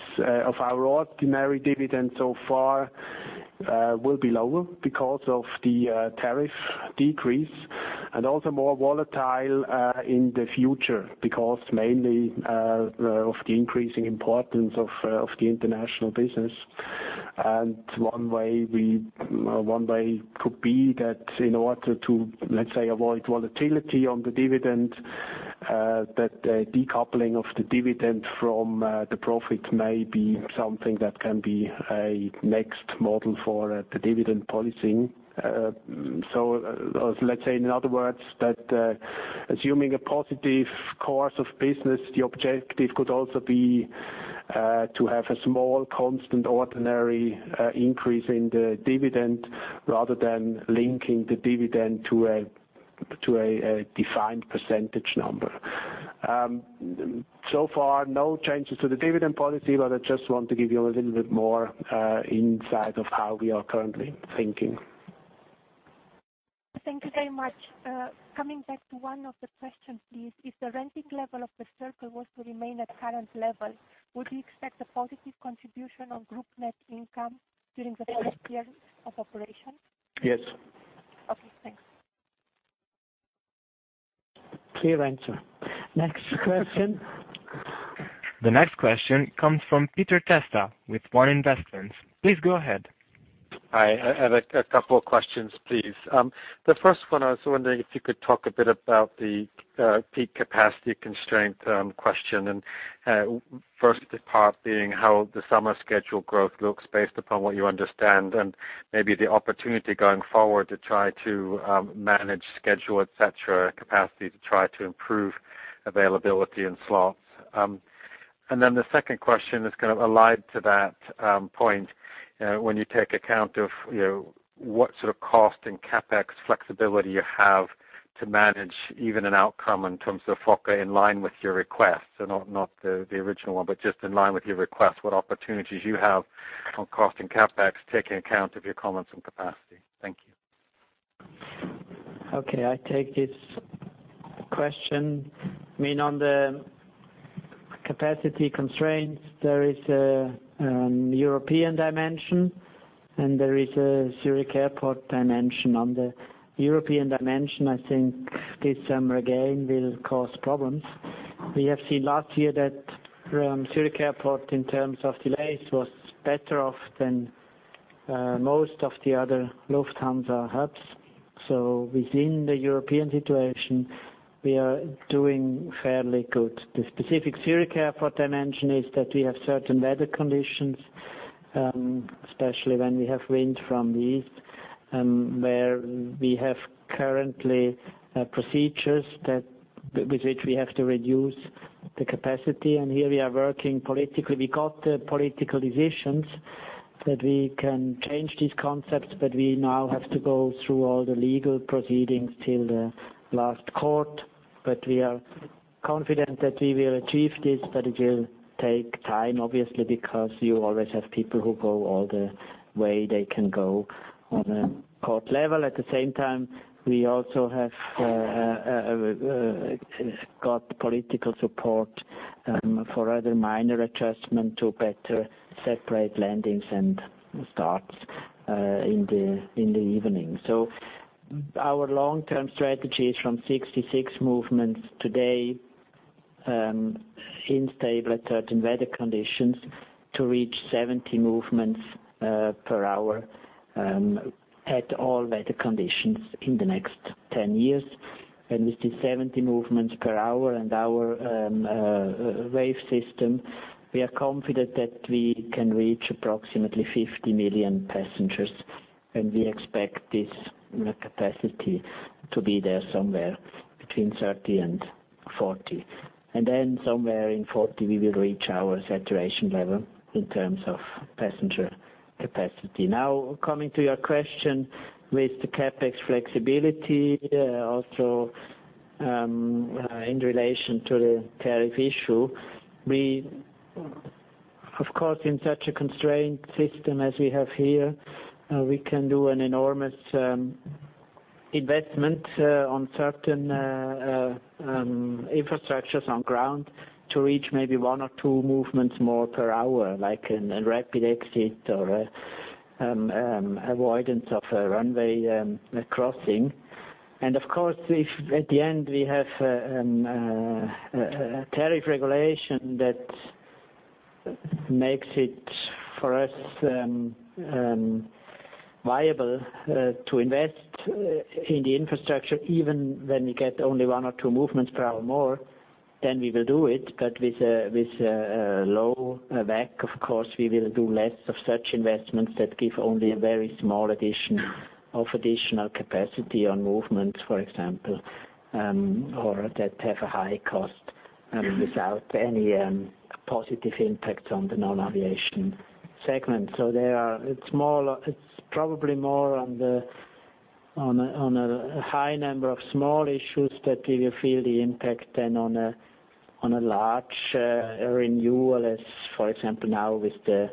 of our ordinary dividend so far, will be lower because of the tariff decrease and also more volatile in the future, because mainly of the increasing importance of the international business. One way could be that in order to, let's say, avoid volatility on the dividend, that decoupling of the dividend from the profit may be something that can be a next model for the dividend policy. Let's say in other words, that assuming a positive course of business, the objective could also be to have a small constant ordinary increase in the dividend rather than linking the dividend to a defined percentage number. So far, no changes to the dividend policy, I just want to give you a little bit more insight of how we are currently thinking. Thank you very much. Coming back to one of the questions, please. If the renting level of The Circle was to remain at current levels, would you expect a positive contribution on group net income during the first years of operation? Yes. Okay, thanks. Clear answer. Next question. The next question comes from Peter Testa with One Investments. Please go ahead. Hi. I have a couple of questions, please. The first one, I was wondering if you could talk a bit about the peak capacity constraint question. First part being how the summer schedule growth looks based upon what you understand, and maybe the opportunity going forward to try to manage schedule, et cetera, capacity to try to improve availability and slots. Then the second question is allied to that point. When you take account of what sort of cost and CapEx flexibility you have to manage even an outcome in terms of FOCA in line with your request, not the original one, but just in line with your request, what opportunities you have on cost and CapEx, taking account of your comments on capacity. Thank you. Okay. I take this question. On the capacity constraints, there is a European dimension and there is a Zurich Airport dimension. On the European dimension, I think this summer again will cause problems. We have seen last year that Zurich Airport, in terms of delays, was better off than most of the other Lufthansa hubs. Within the European situation, we are doing fairly good. The specific Zurich Airport dimension is that we have certain weather conditions, especially when we have wind from the east, where we have currently procedures with which we have to reduce the capacity. Here we are working politically. We got the political decisions that we can change these concepts. We now have to go through all the legal proceedings till the last court. We are confident that we will achieve this. It will take time, obviously, because you always have people who go all the way they can go on a court level. At the same time, we also have got political support for other minor adjustments to better separate landings and starts in the evening. Our long-term strategy is from 66 movements today, instable at certain weather conditions, to reach 70 movements per hour at all weather conditions in the next 10 years. With the 70 movements per hour and our wave system, we are confident that we can reach approximately 50 million passengers, and we expect this capacity to be there somewhere between 2030 and 2040. Somewhere in 2040, we will reach our saturation level in terms of passenger capacity. Now, coming to your question with the CapEx flexibility, also in relation to the tariff issue. We, of course, in such a constrained system as we have here, we can do an enormous investment on certain infrastructures on ground to reach maybe one or two movements more per hour, like a rapid exit or avoidance of a runway crossing. Of course, if at the end we have a tariff regulation that makes it, for us, viable to invest in the infrastructure, even when we get only one or two movements per hour more, then we will do it. With low WACC, of course, we will do less of such investments that give only a very small of additional capacity on movements, for example, or that have a high cost without any positive impact on the non-aviation segment. It's probably more on a high number of small issues that we will feel the impact than on a large renewal as, for example, now with the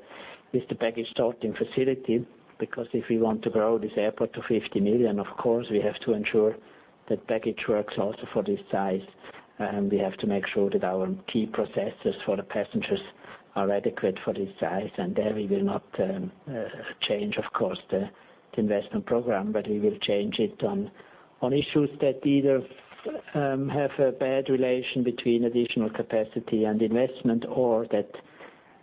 baggage sorting facility. If we want to grow this airport to 50 million, of course, we have to ensure that baggage works also for this size. We have to make sure that our key processes for the passengers are adequate for this size. There we will not change, of course, the investment program, but we will change it on issues that either have a bad relation between additional capacity and investment or that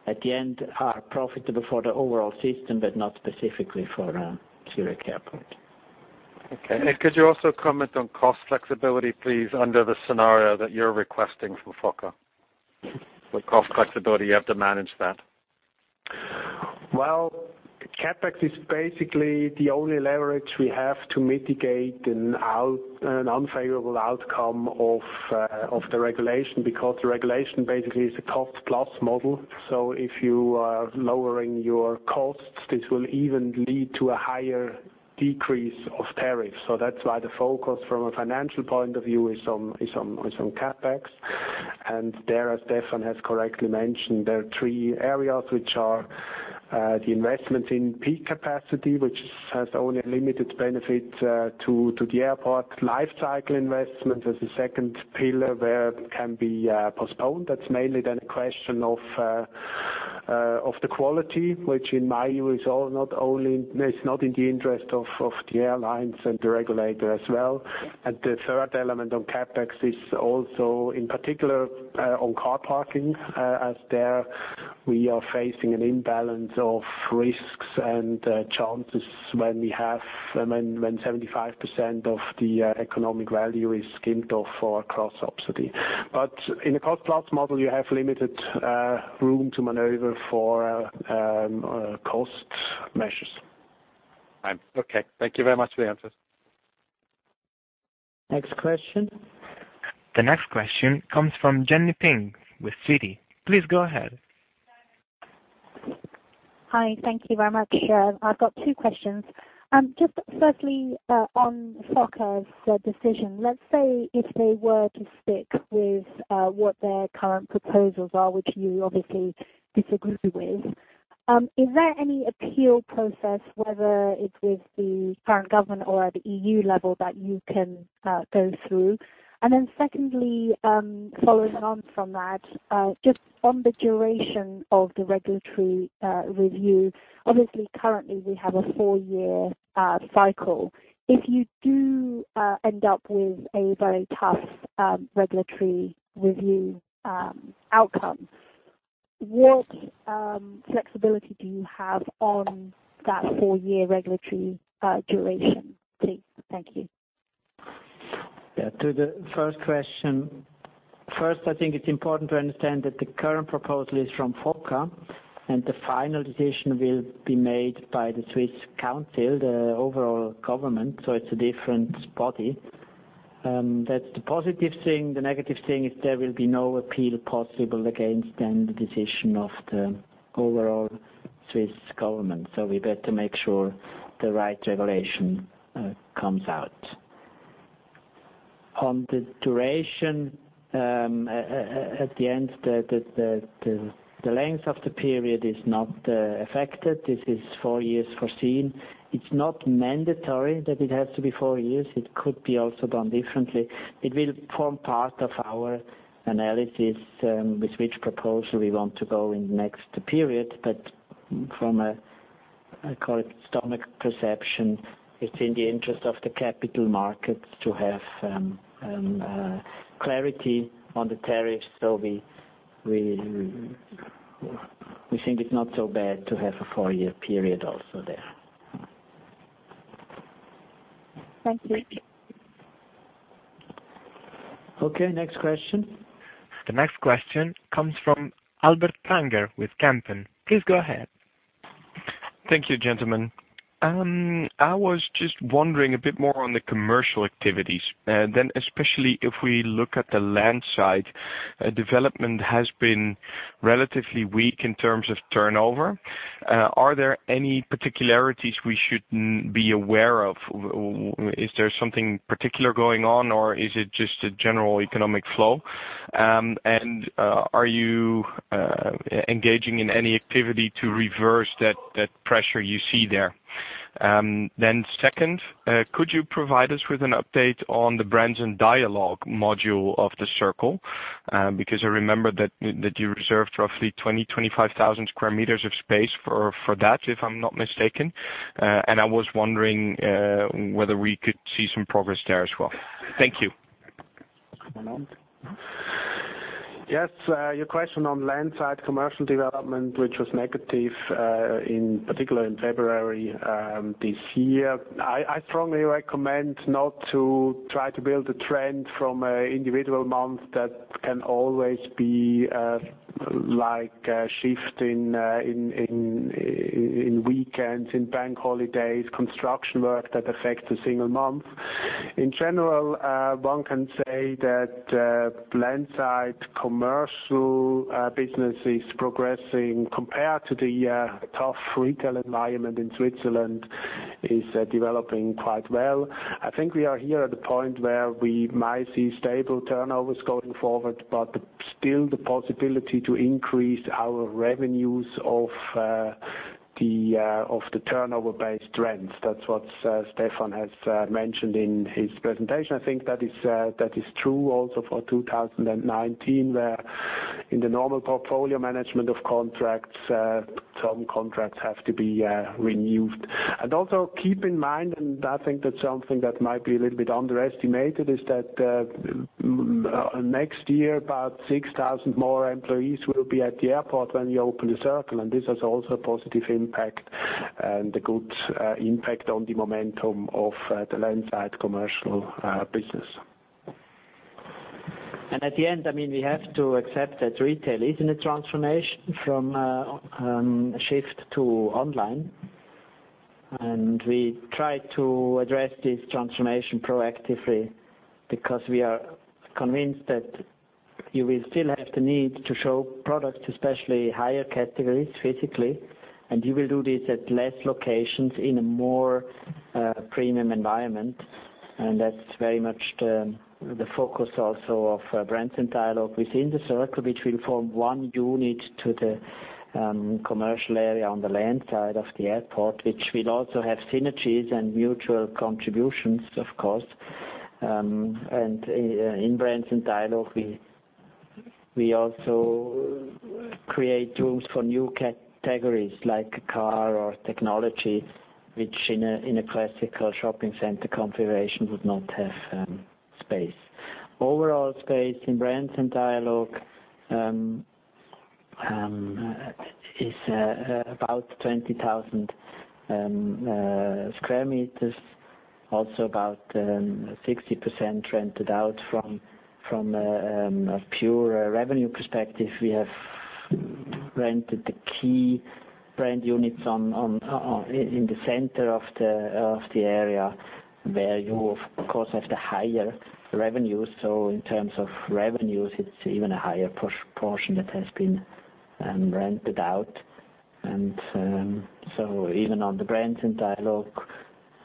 at the end are profitable for the overall system, but not specifically for Zurich Airport. Okay. Could you also comment on cost flexibility, please, under the scenario that you're requesting from FOCA? With cost flexibility, you have to manage that. CapEx is basically the only leverage we have to mitigate an unfavorable outcome of the regulation because the regulation basically is a cost-plus model. If you are lowering your costs, this will even lead to a higher decrease of tariff. That's why the focus from a financial point of view is on CapEx. There, as Stefan has correctly mentioned, there are three areas which are the investment in peak capacity, which has only a limited benefit to the airport. Life cycle investment is the second pillar where it can be postponed. That's mainly a question of the quality, which in my view is not in the interest of the airlines and the regulator as well. The third element on CapEx is also in particular on car parking, as there we are facing an imbalance of risks and chances when 75% of the economic value is skimped off for cross-subsidy. In a cost-plus model, you have limited room to maneuver for cost measures. Okay. Thank you very much for the answers. Next question. The next question comes from Jenny Ping with Citi. Please go ahead. Hi. Thank you very much. I've got two questions. Just firstly, on FOCA's decision, let's say if they were to stick with what their current proposals are, which you obviously disagree with, is there any appeal process, whether it's with the current government or at the EU level that you can go through? Secondly, following on from that, just on the duration of the regulatory review. Obviously, currently we have a four-year cycle. If you do end up with a very tough regulatory review outcome, what flexibility do you have on that four-year regulatory duration, please? Thank you. Yeah. To the first question, first, I think it's important to understand that the current proposal is from FOCA, and the final decision will be made by the Swiss Council, the overall Government. It's a different body. That's the positive thing. The negative thing is there will be no appeal possible against then the decision of the overall Swiss Government. We better make sure the right regulation comes out. On the duration, at the end, the length of the period is not affected. This is 4 years foreseen. It's not mandatory that it has to be 4 years. It could be also done differently. It will form part of our analysis with which proposal we want to go in the next period. From a, call it stomach perception, it's in the interest of the capital markets to have clarity on the tariffs. We think it's not so bad to have a 4-year period also there. Thanks. Okay. Next question. The next question comes from Albert Pranger with Kempen. Please go ahead. Thank you, gentlemen. I was just wondering a bit more on the commercial activities. Especially if we look at the land side, development has been relatively weak in terms of turnover. Are there any particularities we should be aware of? Is there something particular going on, or is it just a general economic flow? Are you engaging in any activity to reverse that pressure you see there? Second, could you provide us with an update on the Brands & Dialogue module of The Circle? Because I remember that you reserved roughly 20,000, 25,000 sq m of space for that, if I am not mistaken. I was wondering whether we could see some progress there as well. Thank you. Yes. Your question on land side commercial development, which was negative in particular in February this year. I strongly recommend not to try to build a trend from individual months that can always be like a shift in weekends, in bank holidays, construction work that affects a single month. In general, one can say that land side commercial business is progressing compared to the tough retail environment in Switzerland, is developing quite well. I think we are here at the point where we might see stable turnovers going forward, but still the possibility to increase our revenues of the turnover-based rents. That is what Stefan has mentioned in his presentation. I think that is true also for 2019, where in the normal portfolio management of contracts, some contracts have to be renewed. Also keep in mind, I think that is something that might be a little bit underestimated, is that next year about 6,000 more employees will be at the airport when you open The Circle. This has also a positive impact and a good impact on the momentum of the land side commercial business. At the end, we have to accept that retail is in a transformation from a shift to online. We try to address this transformation proactively because we are convinced that you will still have the need to show products, especially higher categories physically, and you will do this at less locations in a more premium environment. That is very much the focus also of Brands & Dialogue within The Circle, which will form one unit to the commercial area on the land side of the airport, which will also have synergies and mutual contributions, of course. In Brands & Dialogue, we also create rooms for new categories like car or technology, which in a classical shopping center configuration would not have space. Overall space in Brands & Dialogue is about 20,000 sq m, also about 60% rented out. From a pure revenue perspective, we have rented the key brand units in the center of the area where you, of course, have the higher revenues. In terms of revenues, it's even a higher portion that has been rented out. Even on the Brands & Dialogue,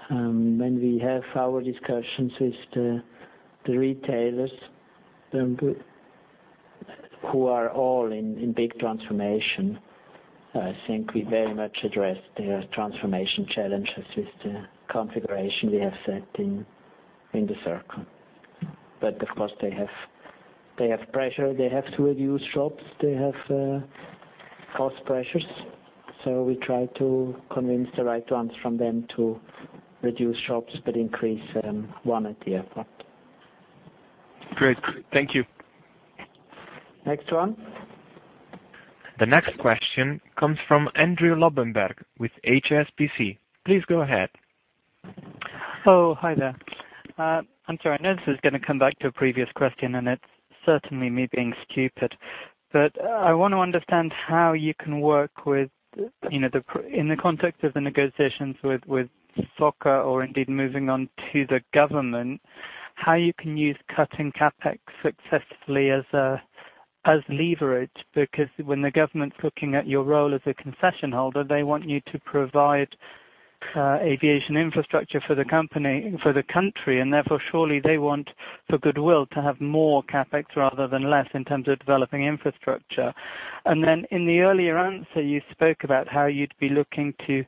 when we have our discussions with the retailers who are all in big transformation, I think we very much address their transformation challenges with the configuration we have set in The Circle. Of course, they have pressure. They have to reduce shops. They have cost pressures. We try to convince the right ones from them to reduce shops, but increase one at the airport. Great. Thank you. Next one. The next question comes from Andrew Lobbenberg with HSBC. Please go ahead. Oh, hi there. I'm sorry, I know this is going to come back to a previous question, and it's certainly me being stupid, but I want to understand how you can work with, in the context of the negotiations with FOCA or indeed moving on to the government, how you can use cutting CapEx successfully as leverage. Because when the government's looking at your role as a concession holder, they want you to provide aviation infrastructure for the country, and therefore, surely they want, for goodwill, to have more CapEx rather than less in terms of developing infrastructure. In the earlier answer, you spoke about how you'd be looking to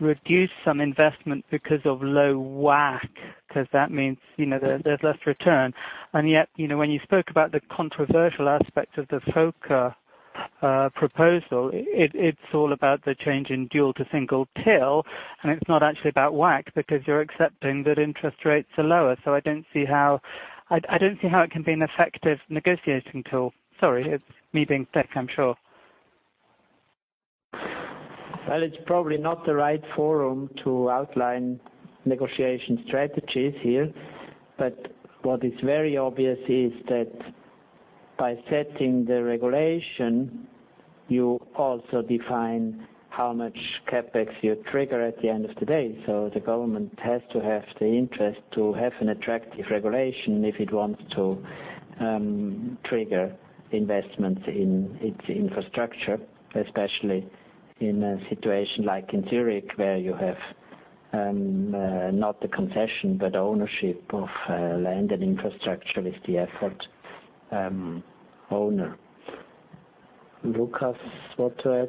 reduce some investment because of low WACC, because that means there's less return. Yet, when you spoke about the controversial aspect of the FOCA proposal, it's all about the change in dual to single till, and it's not actually about WACC because you're accepting that interest rates are lower. I don't see how it can be an effective negotiating tool. Sorry, it's me being thick, I'm sure. Well, it's probably not the right forum to outline negotiation strategies here, but what is very obvious is that by setting the regulation, you also define how much CapEx you trigger at the end of the day. The government has to have the interest to have an attractive regulation if it wants to trigger investments in its infrastructure, especially in a situation like in Zurich, where you have, not the concession, but ownership of land and infrastructure with the airport owner. Lukas, want to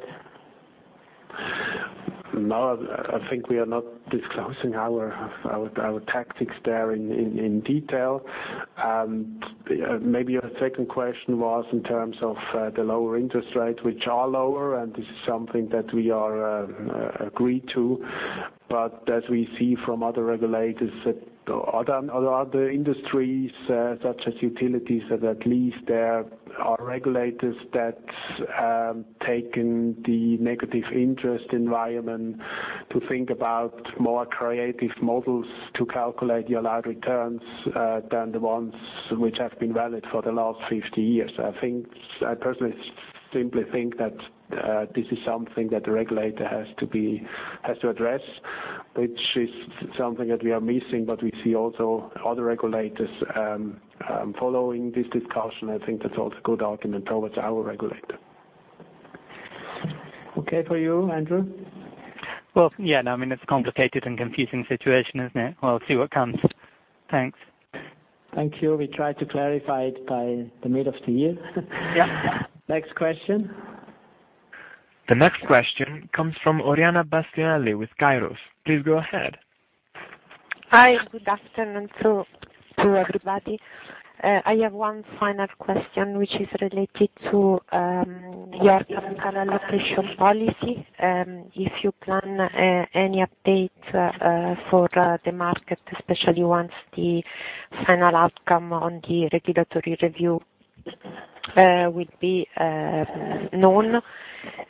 add? No, I think we are not disclosing our tactics there in detail. Maybe your second question was in terms of the lower interest rates, which are lower, and this is something that we are agreed to. As we see from other regulators at other industries such as utilities, that at least there are regulators that taken the negative interest environment to think about more creative models to calculate the allowed returns than the ones which have been valid for the last 50 years. I personally simply think that this is something that the regulator has to address, which is something that we are missing, but we see also other regulators following this discussion. I think that's also a good argument towards our regulator. Okay for you, Andrew? Well, yeah, I mean, it's a complicated and confusing situation, isn't it? We'll see what comes. Thanks. Thank you. We try to clarify it by the mid of the year. Yeah. Next question. The next question comes from Oriana Bastianelli with Kairos. Please go ahead. Hi, good afternoon to everybody. I have one final question, which is related to your capital allocation policy. If you plan any update for the market, especially once the final outcome on the regulatory review will be known,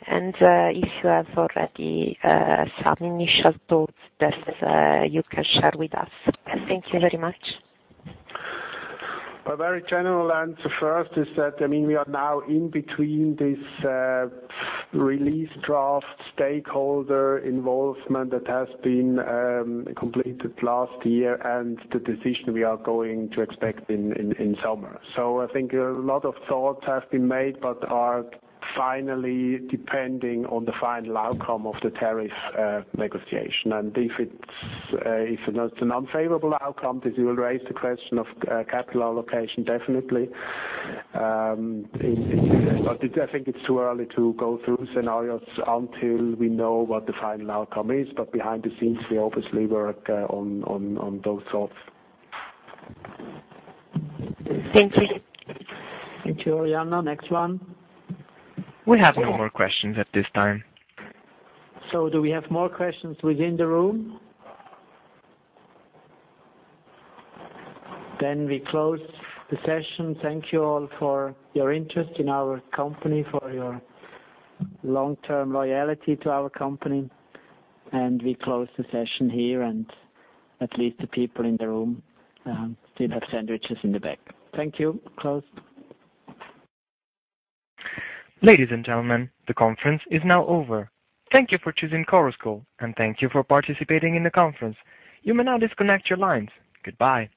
and if you have already some initial thoughts that you can share with us. Thank you very much. A very general answer first is that, we are now in between this release draft stakeholder involvement that has been completed last year and the decision we are going to expect in summer. I think a lot of thoughts have been made, but are finally depending on the final outcome of the tariff negotiation. If it's an unfavorable outcome, this will raise the question of capital allocation, definitely. I think it's too early to go through scenarios until we know what the final outcome is. Behind the scenes, we obviously work on those thoughts. Thank you. Thank you, Oriana. Next one. We have no more questions at this time. Do we have more questions within the room? We close the session. Thank you all for your interest in our company, for your long-term loyalty to our company. We close the session here, and at least the people in the room still have sandwiches in the back. Thank you. Close. Ladies and gentlemen, the conference is now over. Thank you for choosing Chorus Call, and thank you for participating in the conference. You may now disconnect your lines. Goodbye.